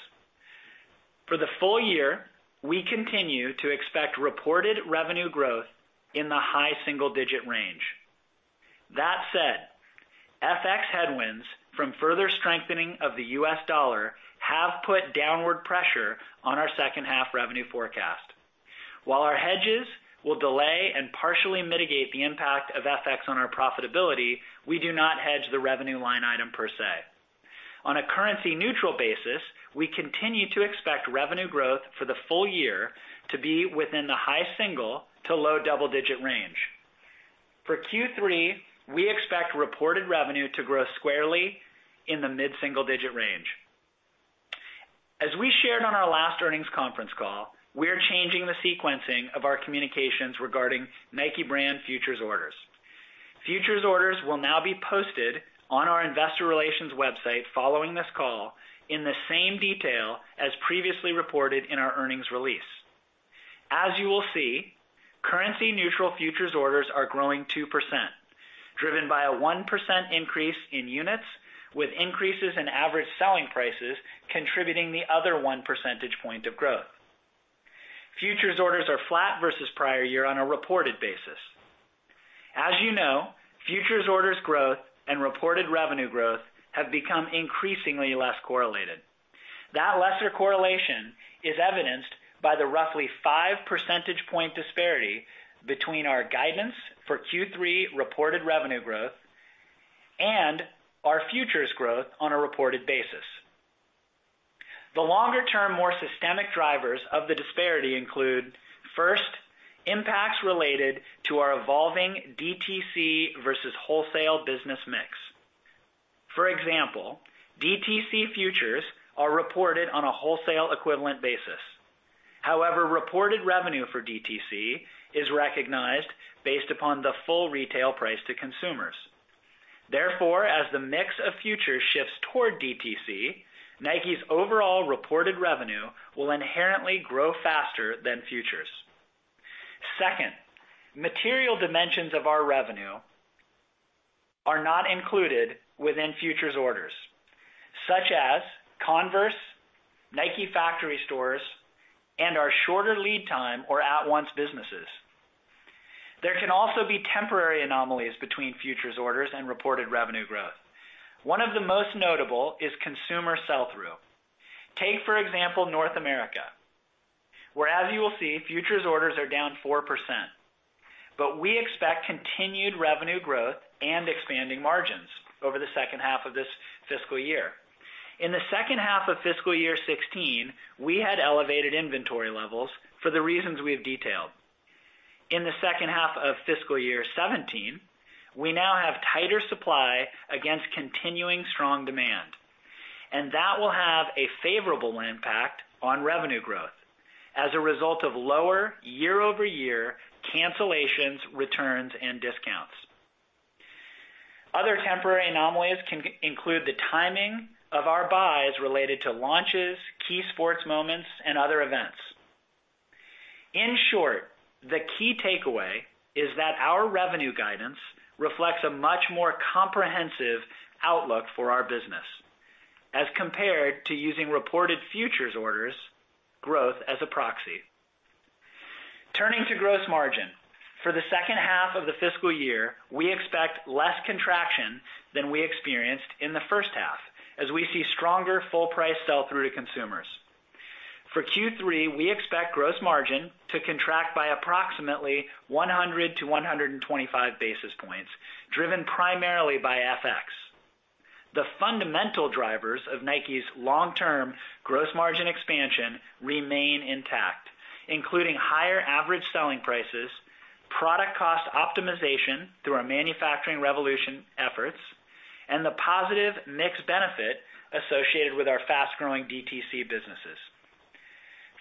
for the full year, we continue to expect reported revenue growth in the high single-digit range. That said, FX headwinds from further strengthening of the U.S. dollar have put downward pressure on our second half revenue forecast. While our hedges will delay and partially mitigate the impact of FX on our profitability, we do not hedge the revenue line item per se. On a currency-neutral basis, we continue to expect revenue growth for the full year to be within the high single to low double-digit range. For Q3, we expect reported revenue to grow squarely in the mid-single digit range. As we shared on our last earnings conference call, we're changing the sequencing of our communications regarding Nike brand futures orders. Futures orders will now be posted on our investor relations website following this call in the same detail as previously reported in our earnings release. As you will see, currency neutral futures orders are growing 2%, driven by a 1% increase in units, with increases in average selling prices contributing the other one percentage point of growth. Futures orders are flat versus prior year on a reported basis. As you know, futures orders growth and reported revenue growth have become increasingly less correlated. That lesser correlation is evidenced by the roughly five percentage point disparity between our guidance for Q3 reported revenue growth and our futures growth on a reported basis. The longer-term, more systemic drivers of the disparity include, first, impacts related to our evolving DTC versus wholesale business mix. For example, DTC futures are reported on a wholesale equivalent basis. However, reported revenue for DTC is recognized based upon the full retail price to consumers. Therefore, as the mix of futures shifts toward DTC, Nike's overall reported revenue will inherently grow faster than futures. Second, material dimensions of our revenue are not included within futures orders, such as Converse, Nike factory stores, and our shorter lead time or at-once businesses. There can also be temporary anomalies between futures orders and reported revenue growth. One of the most notable is consumer sell-through. Take, for example, North America, where, as you will see, futures orders are down 4%, but we expect continued revenue growth and expanding margins over the second half of this fiscal year. In the second half of fiscal year 2016, we had elevated inventory levels for the reasons we have detailed. In the second half of fiscal year 2017, we now have tighter supply against continuing strong demand, and that will have a favorable impact on revenue growth as a result of lower year-over-year cancellations, returns, and discounts. Other temporary anomalies can include the timing of our buys related to launches, key sports moments, and other events. In short, the key takeaway is that our revenue guidance reflects a much more comprehensive outlook for our business as compared to using reported futures orders growth as a proxy. Turning to gross margin. For the second half of the fiscal year, we expect less contraction than we experienced in the first half as we see stronger full price sell-through to consumers. For Q3, we expect gross margin to contract by approximately 100-125 basis points, driven primarily by FX. The fundamental drivers of Nike's long-term gross margin expansion remain intact, including higher average selling prices, product cost optimization through our manufacturing revolution efforts, and the positive mix benefit associated with our fast-growing DTC businesses.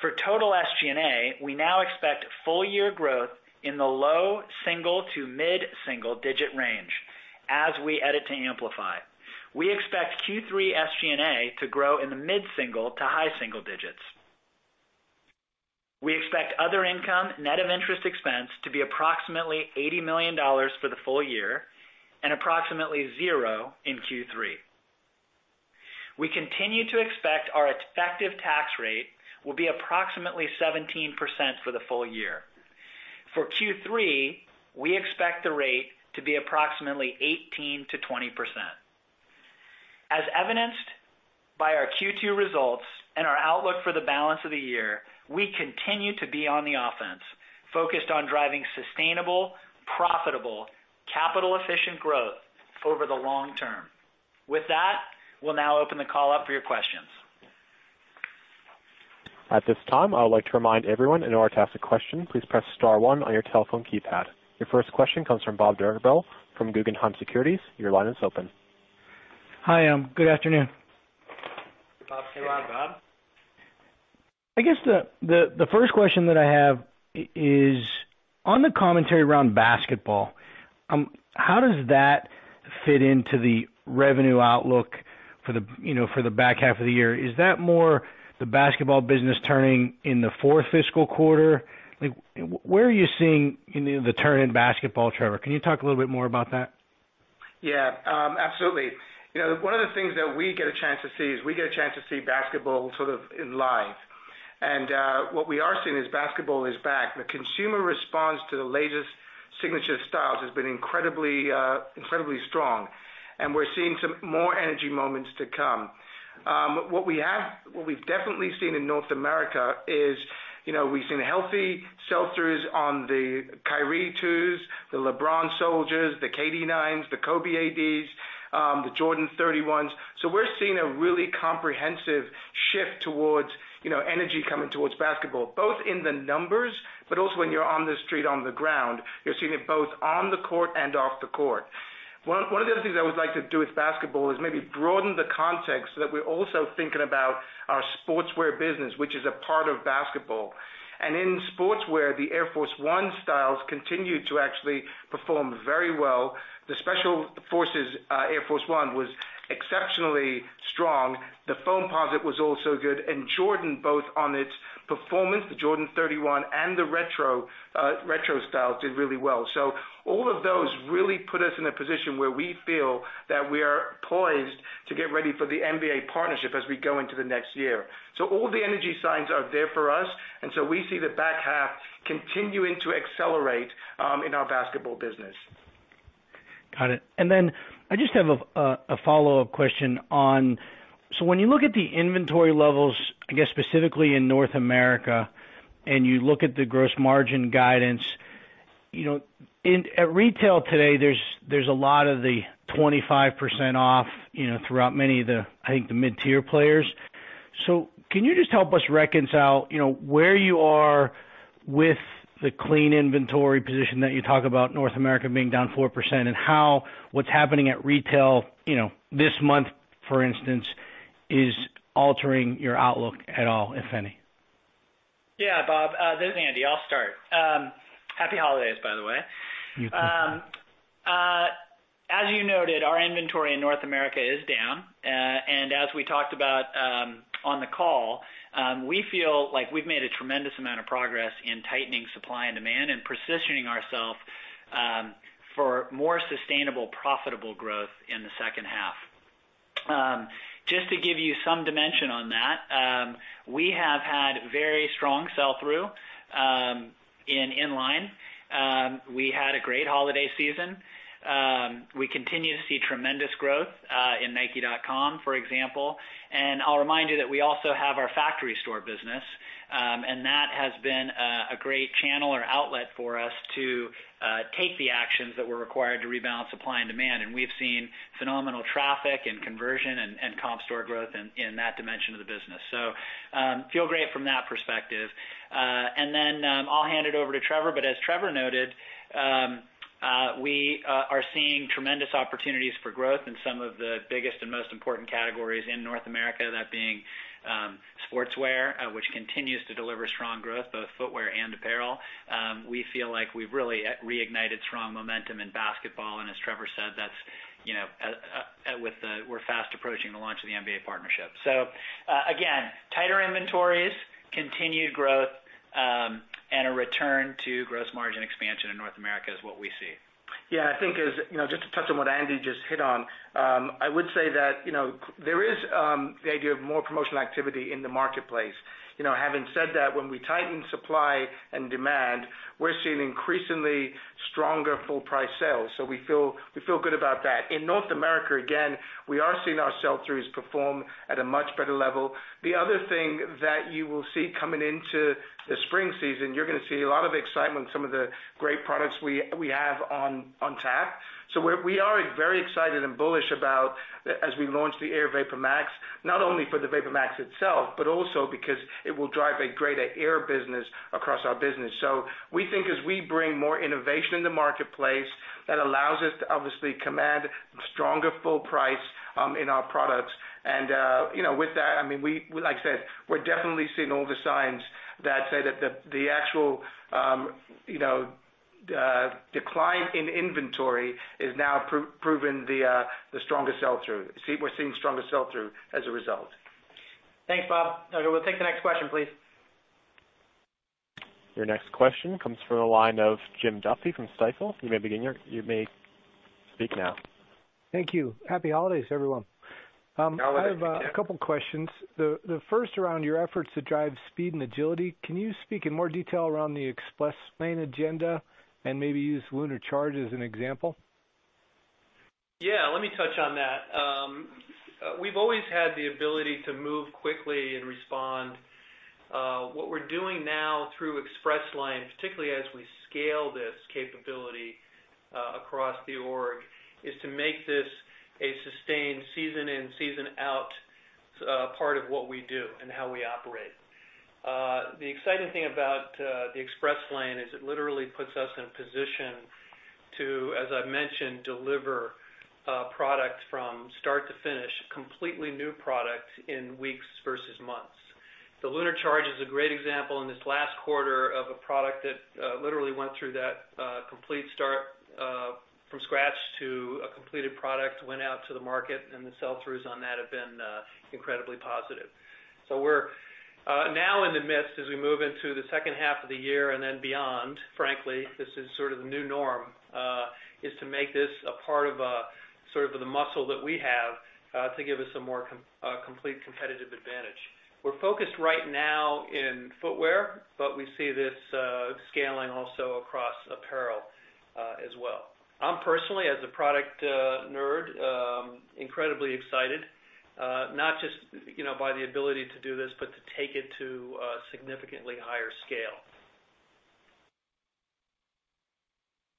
For total SG&A, we now expect full year growth in the low single- to mid-single-digit range as we Edit to Amplify. We expect Q3 SG&A to grow in the mid-single- to high-single-digits. We expect other income, net of interest expense, to be approximately $80 million for the full year and approximately zero in Q3. We continue to expect our effective tax rate will be approximately 17% for the full year. For Q3, we expect the rate to be approximately 18%-20%. As evidenced by our Q2 results and our outlook for the balance of the year, we continue to be on the offense, focused on driving sustainable, profitable, capital-efficient growth over the long term. With that, we'll now open the call up for your questions. At this time, I would like to remind everyone, in order to ask a question, please press *1 on your telephone keypad. Your first question comes from Bob Drbul from Guggenheim Securities. Your line is open. Hi, good afternoon. Hey, Bob. I guess the first question that I have is on the commentary around basketball. How does that fit into the revenue outlook for the back half of the year? Is that more the basketball business turning in the fourth fiscal quarter? Where are you seeing the turn in basketball, Trevor? Can you talk a little bit more about that? Yeah. Absolutely. One of the things that we get a chance to see is we get a chance to see basketball sort of in live. What we are seeing is basketball is back. The consumer response to the latest signature styles has been incredibly strong. We're seeing some more energy moments to come. What we've definitely seen in North America is, we've seen healthy sell-throughs on the Kyrie 2s, the LeBron Soldiers, the KD9s, the Kobe A.D.s, the Jordan 31s. We're seeing a really comprehensive shift towards energy coming towards basketball, both in the numbers, but also when you're on the street, on the ground. You're seeing it both on the court and off the court. One of the other things I would like to do with basketball is maybe broaden the context, so that we're also thinking about our sportswear business, which is a part of basketball. In sportswear, the Air Force 1 styles continued to actually perform very well. The Special Field Air Force 1 was exceptionally strong. The Foamposite was also good, Jordan, both on its performance, the Jordan 31, and the retro styles did really well. All of those really put us in a position where we feel that we are poised to get ready for the NBA partnership as we go into the next year. All the energy signs are there for us, we see the back half continuing to accelerate in our basketball business. Got it. I just have a follow-up question on when you look at the inventory levels, I guess specifically in North America, and you look at the gross margin guidance. At retail today, there's a lot of the 25% off throughout many of the, I think, the mid-tier players. Can you just help us reconcile where you are with the clean inventory position that you talk about North America being down 4%, and how what's happening at retail this month, for instance, is altering your outlook at all, if any? Yeah, Bob. This is Andy. I'll start. Happy holidays, by the way. You too. As you noted, our inventory in North America is down. As we talked about on the call, we feel like we've made a tremendous amount of progress in tightening supply and demand and positioning ourself for more sustainable, profitable growth in the second half. Just to give you some dimension on that, we have had very strong sell-through in inline. We had a great holiday season. We continue to see tremendous growth in nike.com, for example. I'll remind you that we also have our factory store business, and that has been a great channel or outlet for us to take the actions that were required to rebalance supply and demand. We've seen phenomenal traffic and conversion and comp store growth in that dimension of the business. Feel great from that perspective. I'll hand it over to Trevor. As Trevor noted, we are seeing tremendous opportunities for growth in some of the biggest and most important categories in North America, that being sportswear, which continues to deliver strong growth, both footwear and apparel. We feel like we've really reignited strong momentum in basketball, and as Trevor said, we're fast approaching the launch of the NBA partnership. Again, tighter inventories, continued growth, and a return to gross margin expansion in North America is what we see. Just to touch on what Andy just hit on, I would say that there is the idea of more promotional activity in the marketplace. Having said that, when we tighten supply and demand, we're seeing increasingly stronger full price sales. We feel good about that. In North America, again, we are seeing our sell-throughs perform at a much better level. The other thing that you will see coming into the spring season, you're going to see a lot of excitement, some of the great products we have on tap. We are very excited and bullish about as we launch the Air VaporMax, not only for the VaporMax itself, but also because it will drive a greater Air business across our business. We think as we bring more innovation in the marketplace, that allows us to obviously command stronger full price in our products. With that, like I said, we're definitely seeing all the signs that say that the actual decline in inventory is now proven the stronger sell-through. We're seeing stronger sell-through as a result. Thanks, Bob. Okay, we'll take the next question, please. Your next question comes from the line of Jim Duffy from Stifel. You may speak now. Thank you. Happy holidays, everyone. Holiday, Jim. I have a couple questions. The first around your efforts to drive speed and agility. Can you speak in more detail around the Express Lane agenda and maybe use LunarCharge as an example? Yeah, let me touch on that. We've always had the ability to move quickly and respond. What we're doing now through Express Lane, particularly as we scale this capability across the org, is to make this a sustained season-in, season-out part of what we do and how we operate. The exciting thing about the Express Lane is it literally puts us in position to, as I mentioned, deliver a product from start to finish, completely new product in weeks versus months. The LunarCharge is a great example in this last quarter of a product that literally went through that complete start from scratch to a completed product, went out to the market, and the sell-throughs on that have been incredibly positive. We're now in the midst as we move into the second half of the year and then beyond, frankly, this is sort of the new norm, is to make this a part of sort of the muscle that we have to give us a more complete competitive advantage. We're focused right now in footwear, but we see this scaling also across apparel as well. I'm personally, as a product nerd, incredibly excited, not just by the ability to do this, but to take it to a significantly higher scale.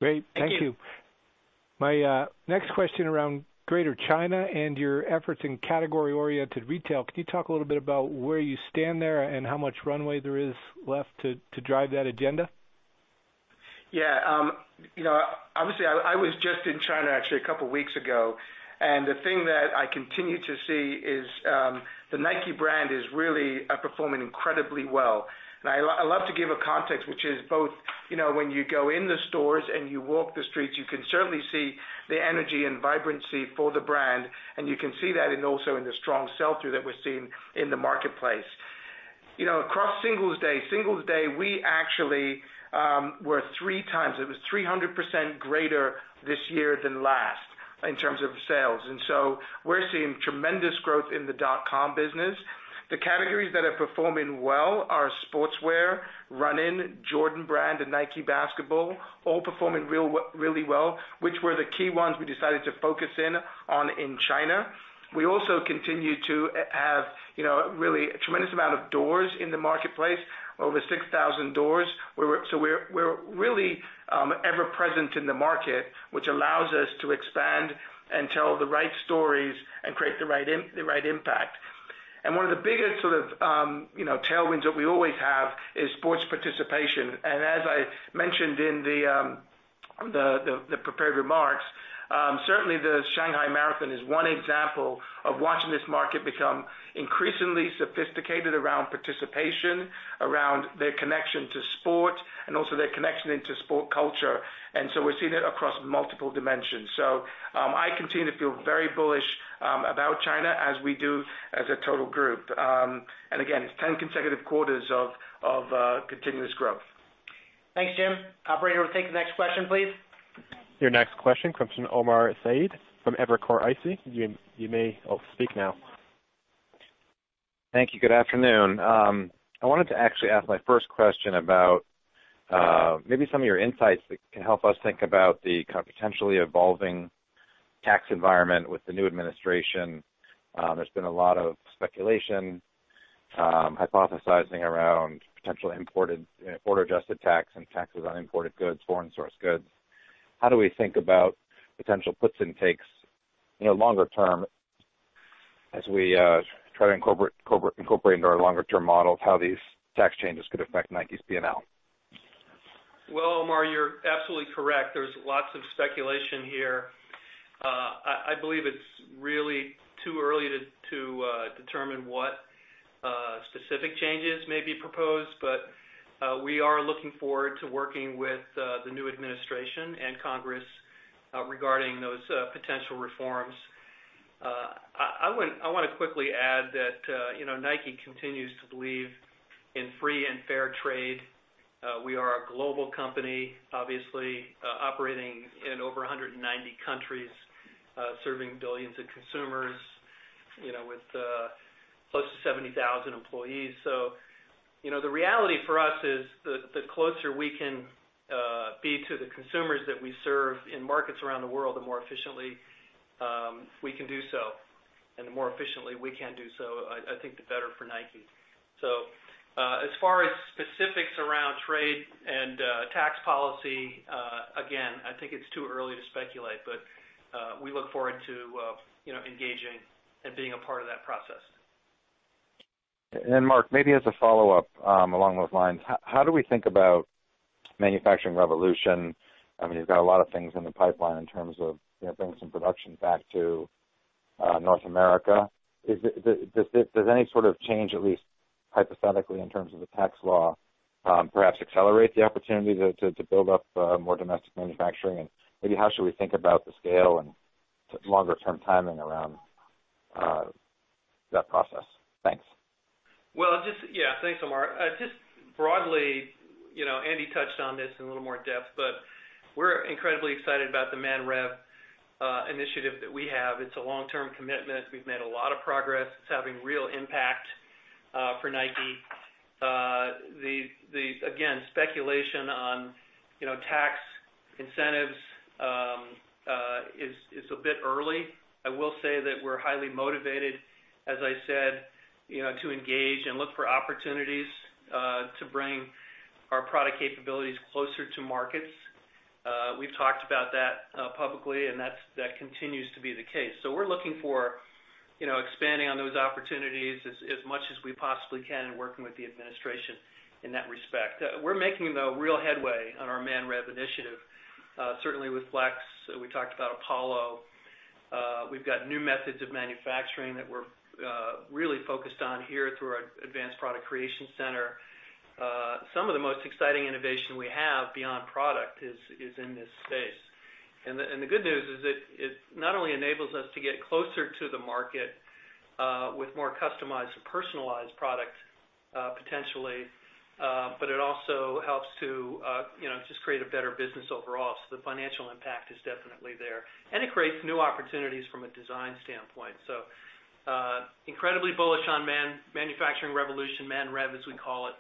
Great. Thank you. Thank you. My next question around Greater China and your efforts in category-oriented retail. Could you talk a little bit about where you stand there and how much runway there is left to drive that agenda? Yeah. Obviously, I was just in China actually a couple of weeks ago, the thing that I continue to see is the Nike brand is really performing incredibly well. I love to give a context which is both when you go in the stores and you walk the streets, you can certainly see the energy and vibrancy for the brand, and you can see that in also in the strong sell-through that we're seeing in the marketplace. Across Singles' Day, we actually were three times, it was 300% greater this year than last in terms of sales. We're seeing tremendous growth in the dot com business. The categories that are performing well are sportswear, running, Jordan Brand, and Nike Basketball, all performing really well, which were the key ones we decided to focus in on in China. We also continue to have really a tremendous amount of doors in the marketplace, over 6,000 doors. We're really ever present in the market, which allows us to expand and tell the right stories and create the right impact. One of the biggest sort of tailwinds that we always have is sports participation. As I mentioned in the prepared remarks, certainly the Shanghai Marathon is one example of watching this market become increasingly sophisticated around participation, around their connection to sport. Connection into sport culture. We're seeing it across multiple dimensions. I continue to feel very bullish about China as we do as a total group. Again, it's 10 consecutive quarters of continuous growth. Thanks, Jim. Operator, we'll take the next question, please. Your next question comes from Omar Saad from Evercore ISI. You may speak now. Thank you. Good afternoon. I wanted to actually ask my first question about maybe some of your insights that can help us think about the potentially evolving tax environment with the new administration. There's been a lot of speculation, hypothesizing around potentially imported border adjusted tax and taxes on imported goods, foreign source goods. How do we think about potential puts and takes longer term as we try to incorporate into our longer term models how these tax changes could affect Nike's P&L? Well, Omar, you're absolutely correct. There's lots of speculation here. I believe it's really too early to determine what specific changes may be proposed. We are looking forward to working with the new administration and Congress regarding those potential reforms. I want to quickly add that Nike continues to believe in free and fair trade. We are a global company, obviously, operating in over 190 countries, serving billions of consumers, with close to 70,000 employees. The reality for us is the closer we can be to the consumers that we serve in markets around the world, the more efficiently we can do so. The more efficiently we can do so, I think the better for Nike. As far as specifics around trade and tax policy, again, I think it's too early to speculate, but we look forward to engaging and being a part of that process. Mark, maybe as a follow-up along those lines, how do we think about manufacturing revolution? You've got a lot of things in the pipeline in terms of bringing some production back to North America. Does any sort of change, at least hypothetically, in terms of the tax law, perhaps accelerate the opportunity to build up more domestic manufacturing? Maybe how should we think about the scale and longer-term timing around that process? Thanks. Thanks, Omar. Just broadly, Andy touched on this in a little more depth, we're incredibly excited about the ManRev initiative that we have. It's a long-term commitment. We've made a lot of progress. It's having real impact for Nike. Again, speculation on tax incentives is a bit early. I will say that we're highly motivated, as I said, to engage and look for opportunities to bring our product capabilities closer to markets. We've talked about that publicly, and that continues to be the case. We're looking for expanding on those opportunities as much as we possibly can and working with the administration in that respect. We're making, though, real headway on our ManRev initiative. Certainly with Flex, we talked about Apollo. We've got new methods of manufacturing that we're really focused on here through our Advanced Product Creation Center. Some of the most exciting innovation we have beyond product is in this space. The good news is it not only enables us to get closer to the market with more customized and personalized products, potentially, but it also helps to just create a better business overall. The financial impact is definitely there. It creates new opportunities from a design standpoint. Incredibly bullish on manufacturing revolution, ManRev, as we call it.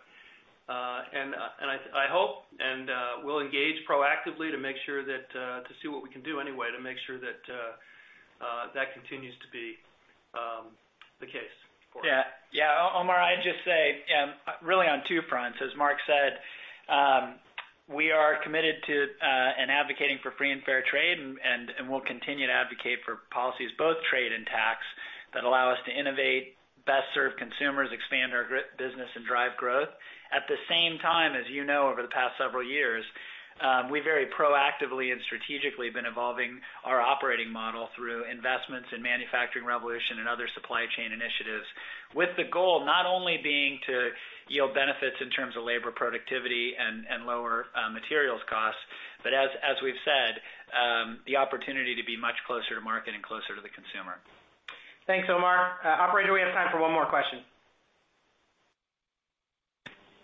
I hope, we'll engage proactively to make sure that, to see what we can do anyway, to make sure that continues to be the case for it. Yeah. Omar, I'd just say, really on two fronts, as Mark said, we are committed to and advocating for free and fair trade, and we'll continue to advocate for policies, both trade and tax, that allow us to innovate, best serve consumers, expand our business, and drive growth. At the same time, as you know, over the past several years, we very proactively and strategically have been evolving our operating model through investments in manufacturing revolution and other supply chain initiatives. With the goal not only being to yield benefits in terms of labor productivity and lower materials costs, but as we've said, the opportunity to be much closer to market and closer to the consumer. Thanks, Omar. Operator, we have time for one more question.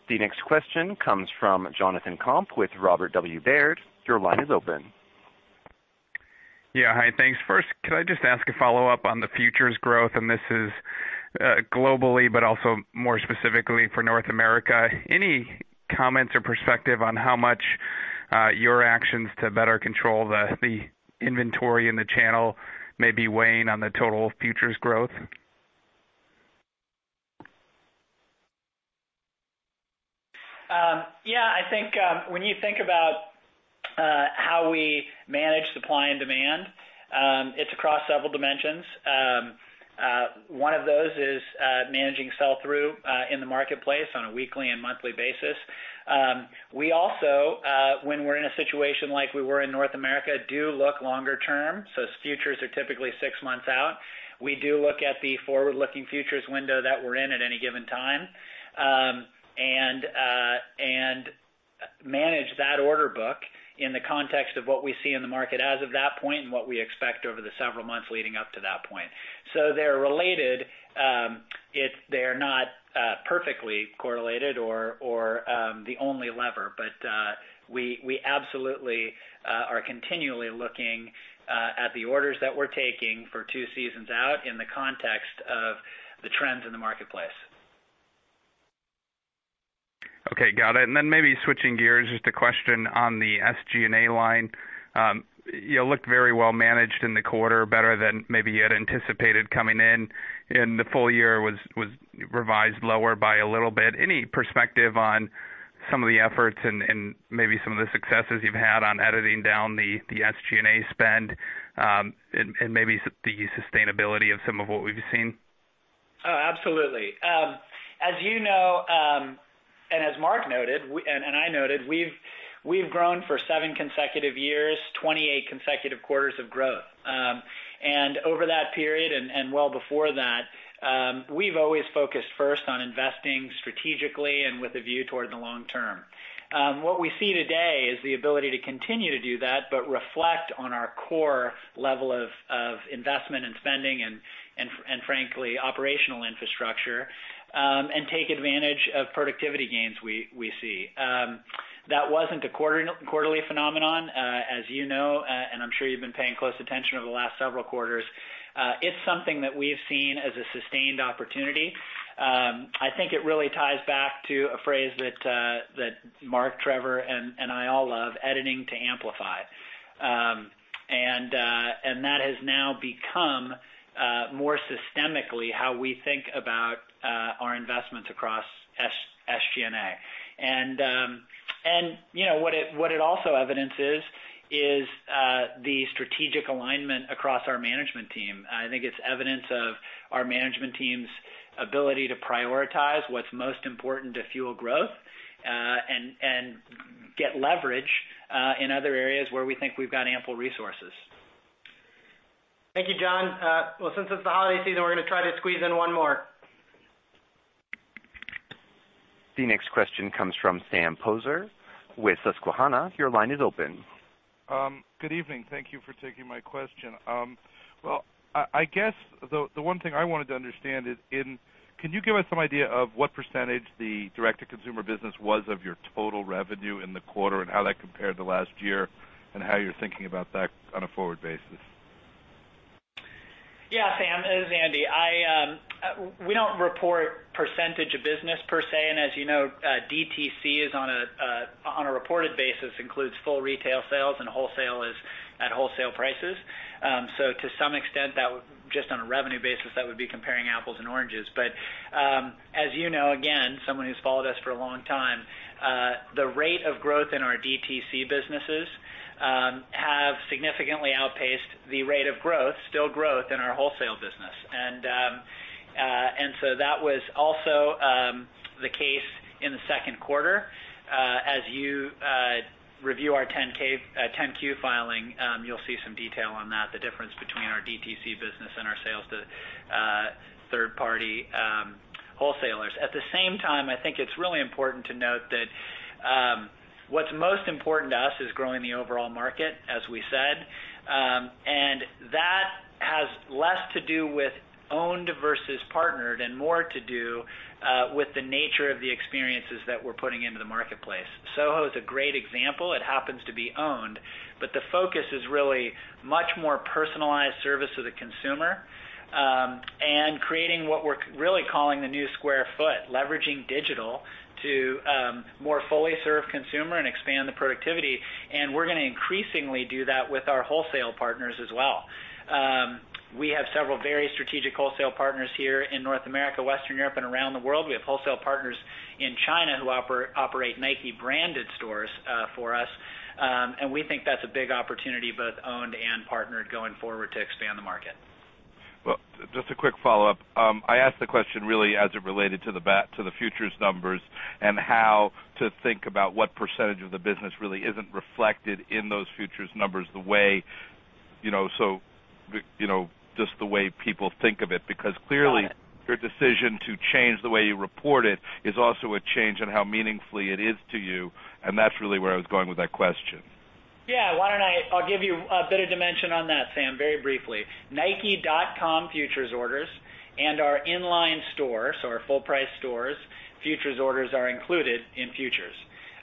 The next question comes from Jonathan Komp with Robert W. Baird. Your line is open. Yeah. Hi, thanks. First, could I just ask a follow-up on the futures growth, and this is globally, but also more specifically for North America. Any comments or perspective on how much your actions to better control the inventory in the channel may be weighing on the total futures growth? Yeah. I think when you think about how we manage supply and demand, it's across several dimensions. One of those is managing sell-through in the marketplace on a weekly and monthly basis. We also, when we're in a situation like we were in North America, do look longer term. Futures are typically 6 months out. We do look at the forward-looking futures window that we're in at any given time. In the context of what we see in the market as of that point and what we expect over the several months leading up to that point. They're related. They're not perfectly correlated or the only lever, but we absolutely are continually looking at the orders that we're taking for 2 seasons out in the context of the trends in the marketplace. Okay, got it. Then maybe switching gears, just a question on the SG&A line. You looked very well managed in the quarter, better than maybe you had anticipated coming in. The full year was revised lower by a little bit. Any perspective on some of the efforts and maybe some of the successes you've had on editing down the SG&A spend and maybe the sustainability of some of what we've seen? Oh, absolutely. As you know, as Mark noted, and I noted, we've grown for 7 consecutive years, 28 consecutive quarters of growth. Over that period and well before that, we've always focused first on investing strategically and with a view toward the long term. What we see today is the ability to continue to do that, but reflect on our core level of investment and spending and frankly, operational infrastructure, and take advantage of productivity gains we see. That wasn't a quarterly phenomenon, as you know, and I'm sure you've been paying close attention over the last several quarters. It's something that we've seen as a sustained opportunity. I think it really ties back to a phrase that Mark, Trevor, and I all love, Editing to Amplify. That has now become more systemically how we think about our investments across SG&A. What it also evidences is the strategic alignment across our management team. I think it's evidence of our management team's ability to prioritize what's most important to fuel growth and get leverage in other areas where we think we've got ample resources. Thank you, John. Well, since it's the holiday season, we're going to try to squeeze in one more. The next question comes from Sam Poser with Susquehanna. Your line is open. Good evening. Thank you for taking my question. Well, I guess the one thing I wanted to understand is can you give us some idea of what % the direct-to-consumer business was of your total revenue in the quarter, and how that compared to last year and how you're thinking about that on a forward basis? Yeah, Sam, this is Andy. We don't report % of business per se, and as you know, DTC is on a reported basis, includes full retail sales and wholesale is at wholesale prices. To some extent, just on a revenue basis, that would be comparing apples and oranges. As you know, again, someone who's followed us for a long time, the rate of growth in our DTC businesses have significantly outpaced the rate of growth, still growth, in our wholesale business. That was also the case in the second quarter. As you review our 10-Q filing, you'll see some detail on that, the difference between our DTC business and our sales to third-party wholesalers. At the same time, I think it's really important to note that what's most important to us is growing the overall market, as we said. That has less to do with owned versus partnered and more to do with the nature of the experiences that we're putting into the marketplace. Soho is a great example. It happens to be owned, but the focus is really much more personalized service to the consumer, and creating what we're really calling the new square foot, leveraging digital to more fully serve consumer and expand the productivity. We're going to increasingly do that with our wholesale partners as well. We have several very strategic wholesale partners here in North America, Western Europe, and around the world. We have wholesale partners in China who operate Nike branded stores for us. We think that's a big opportunity, both owned and partnered going forward to expand the market. Well, just a quick follow-up. I asked the question really as it related to the Futures numbers and how to think about what percentage of the business really isn't reflected in those Futures numbers just the way people think of it. Because clearly. Got it. Your decision to change the way you report it is also a change in how meaningfully it is to you, that's really where I was going with that question. Yeah. I'll give you a bit of dimension on that, Sam, very briefly. nike.com Futures orders and our in-line stores or our full price stores, Futures orders are included in Futures.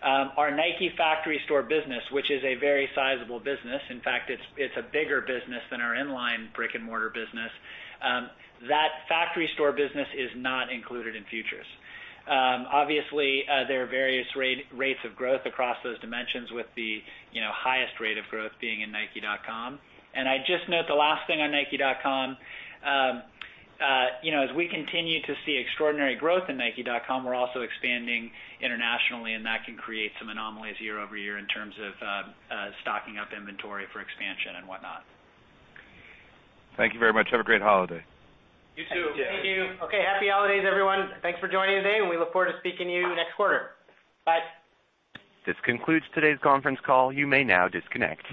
Our Nike factory store business, which is a very sizable business. In fact, it's a bigger business than our in-line brick and mortar business. That factory store business is not included in Futures. Obviously, there are various rates of growth across those dimensions with the highest rate of growth being in nike.com. I just note the last thing on nike.com. As we continue to see extraordinary growth in nike.com, we're also expanding internationally, and that can create some anomalies year-over-year in terms of stocking up inventory for expansion and whatnot. Thank you very much. Have a great holiday. You too. Thank you. Okay. Happy holidays, everyone. Thanks for joining today. We look forward to speaking to you next quarter. Bye. This concludes today's conference call. You may now disconnect.